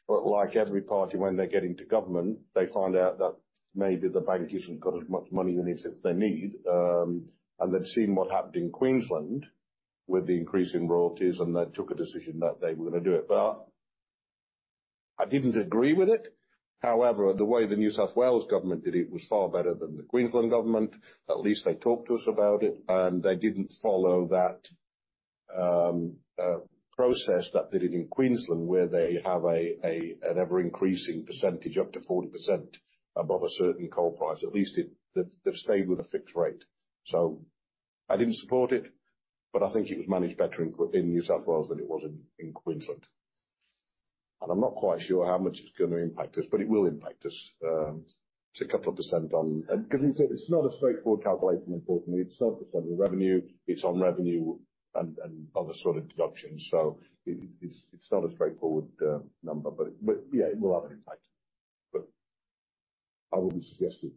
But like every party, when they get into government, they find out that maybe the bank hasn't got as much money in it as they need. And they've seen what happened in Queensland with the increase in royalties, and they took a decision that they were going to do it. But I didn't agree with it. However, the way the New South Wales government did it was far better than the Queensland government. At least they talked to us about it, and they didn't follow that process that they did in Queensland, where they have an ever-increasing percentage, up to 40%, above a certain coal price. At least they've stayed with a fixed rate. So I didn't support it, but I think it was managed better in New South Wales than it was in Queensland. And I'm not quite sure how much it's going to impact us, but it will impact us. It's a couple of percent on... Because it's not a straightforward calculation, importantly. It's not just on the revenue, it's on revenue and other sort of deductions. So it's not a straightforward number, but yeah, it will have an impact. But I wouldn't suggest it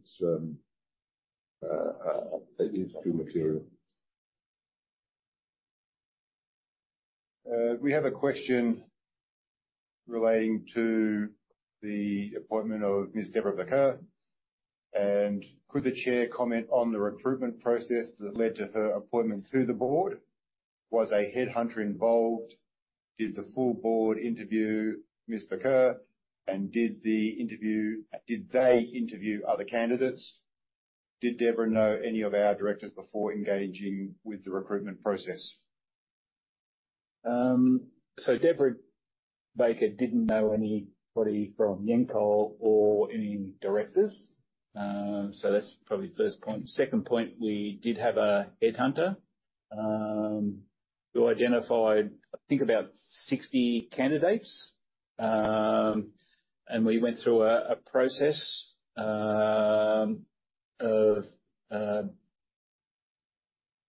is too material. We have a question relating to the appointment of Ms. Debra Bakker. Could the Chair comment on the recruitment process that led to her appointment to the board? Was a headhunter involved? Did the full board interview Ms. Bakker, and did the interview—did they interview other candidates? Did Debra know any of our directors before engaging with the recruitment process? So Debra Bakker didn't know anybody from Yancoal or any directors. So that's probably the first point. Second point, we did have a headhunter who identified, I think, about 60 candidates. And we went through a process of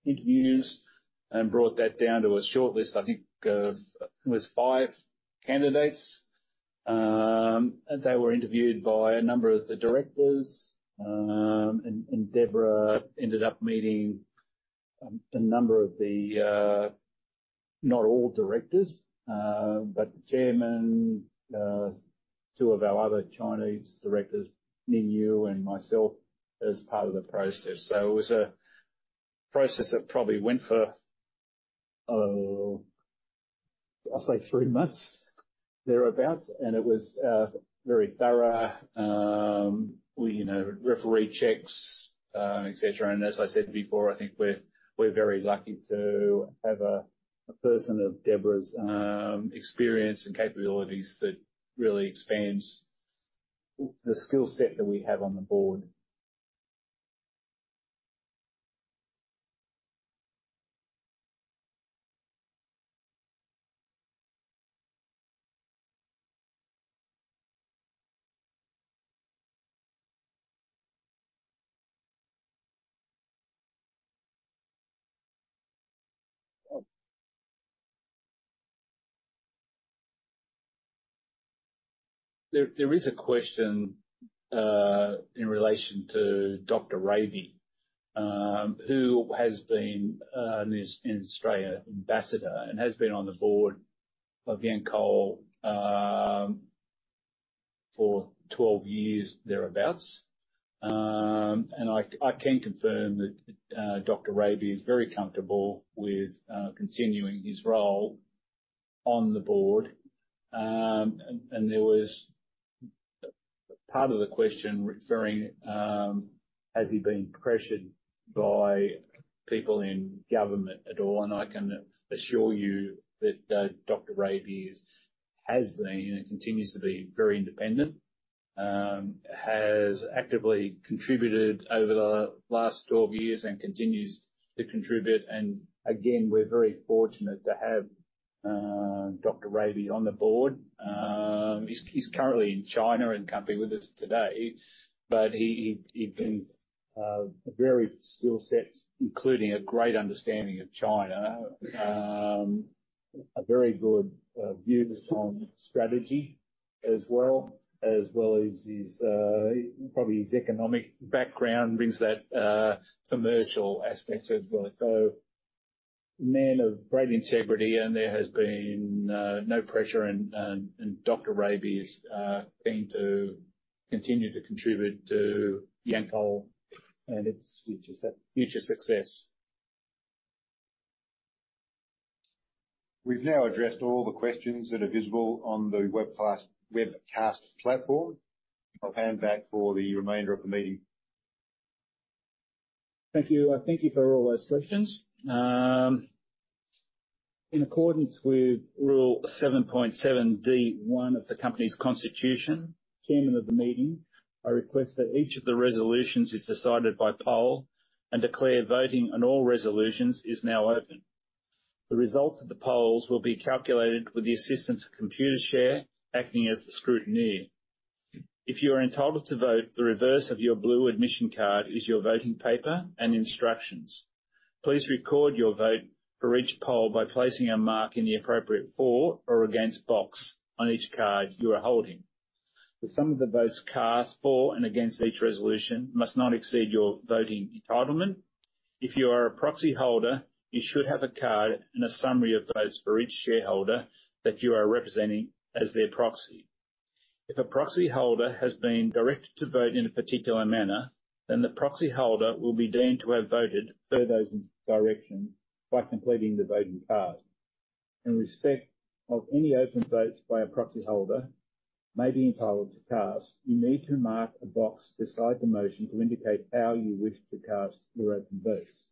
interviews and brought that down to a shortlist, I think it was 5 candidates. And they were interviewed by a number of the directors. And Debra ended up meeting a number of the, not all directors, but the chairman, two of our other Chinese directors, Ning Yue, and myself as part of the process. So it was a process that probably went for, oh, I'd say three months, thereabout, and it was very thorough. We, you know, reference checks, et cetera. And as I said before, I think we're very lucky to have a person of Debra's experience and capabilities that really expands the skill set that we have on the board. There is a question in relation to Dr. Raby, who has been an Australian ambassador and has been on the board of Yancoal for 12 years, thereabouts. And I can confirm that Dr. Raby is very comfortable with continuing his role on the board. And there was part of the question referring, has he been pressured by people in government at all? And I can assure you that Dr. Raby is, has been and continues to be very independent. Has actively contributed over the last 12 years and continues to contribute. And again, we're very fortunate to have Dr. Raby on the board. He's currently in China and can't be with us today, but he brings a very strong skill set, including a great understanding of China. A very good views on strategy as well, as well as his probably his economic background brings that commercial aspect as well. So a man of great integrity, and there has been no pressure, and Dr. Raby is going to continue to contribute to Yancoal and its future success. We've now addressed all the questions that are visible on the webcast, webcast platform. I'll hand back for the remainder of the meeting. Thank you. I thank you for all those questions. In accordance with rule 7.7D1 of the company's constitution, Chairman of the meeting, I request that each of the resolutions is decided by poll and declare voting on all resolutions is now open. The results of the polls will be calculated with the assistance of Computershare, acting as the scrutineer. If you are entitled to vote, the reverse of your blue admission card is your voting paper and instructions. Please record your vote for each poll by placing a mark in the appropriate for or against box on each card you are holding. The sum of the votes cast for and against each resolution must not exceed your voting entitlement. If you are a proxyholder, you should have a card and a summary of votes for each shareholder that you are representing as their proxy. If a proxyholder has been directed to vote in a particular manner, then the proxyholder will be deemed to have voted per those directions by completing the voting card. In respect of any open votes by a proxyholder may be entitled to cast, you need to mark a box beside the motion to indicate how you wish to cast your open votes.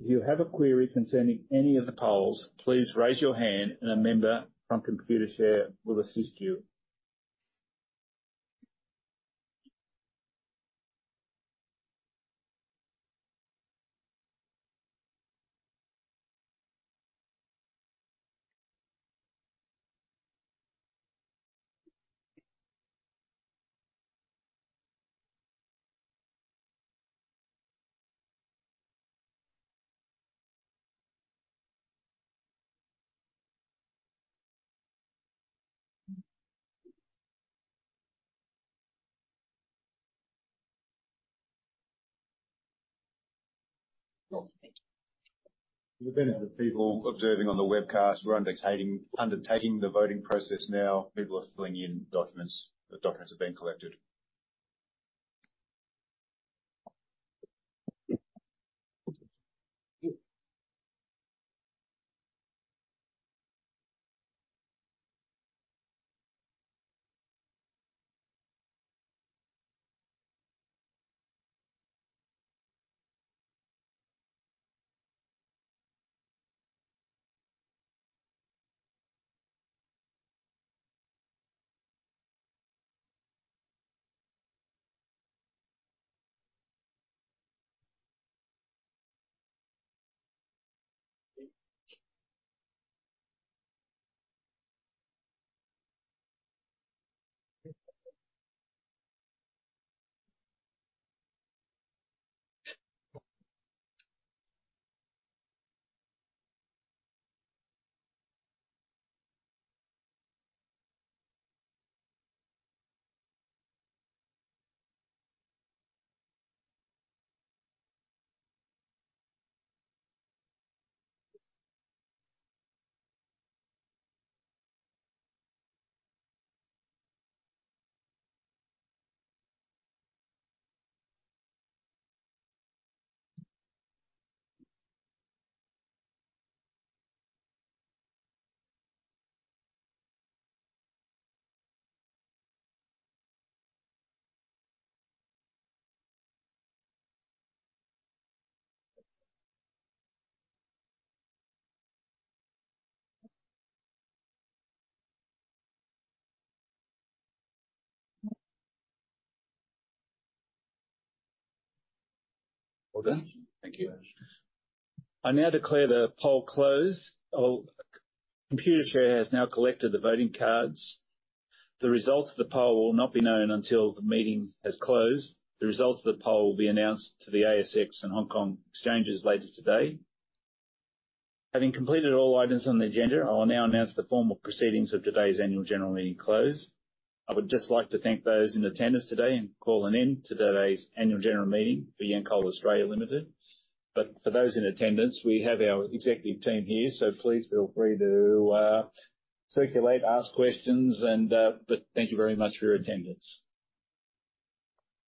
If you have a query concerning any of the polls, please raise your hand and a member from Computershare will assist you. For the benefit of people observing on the webcast, we're undertaking the voting process now. People are filling in documents. The documents are being collected. ... Well done. Thank you. I now declare the poll closed. Our Computershare has now collected the voting cards. The results of the poll will not be known until the meeting has closed. The results of the poll will be announced to the ASX and Hong Kong exchanges later today. Having completed all items on the agenda, I will now announce the formal proceedings of today's annual general meeting closed. I would just like to thank those in attendance today and call an end to today's annual general meeting for Yancoal Australia Limited. But for those in attendance, we have our executive team here, so please feel free to, circulate, ask questions, and, but thank you very much for your attendance.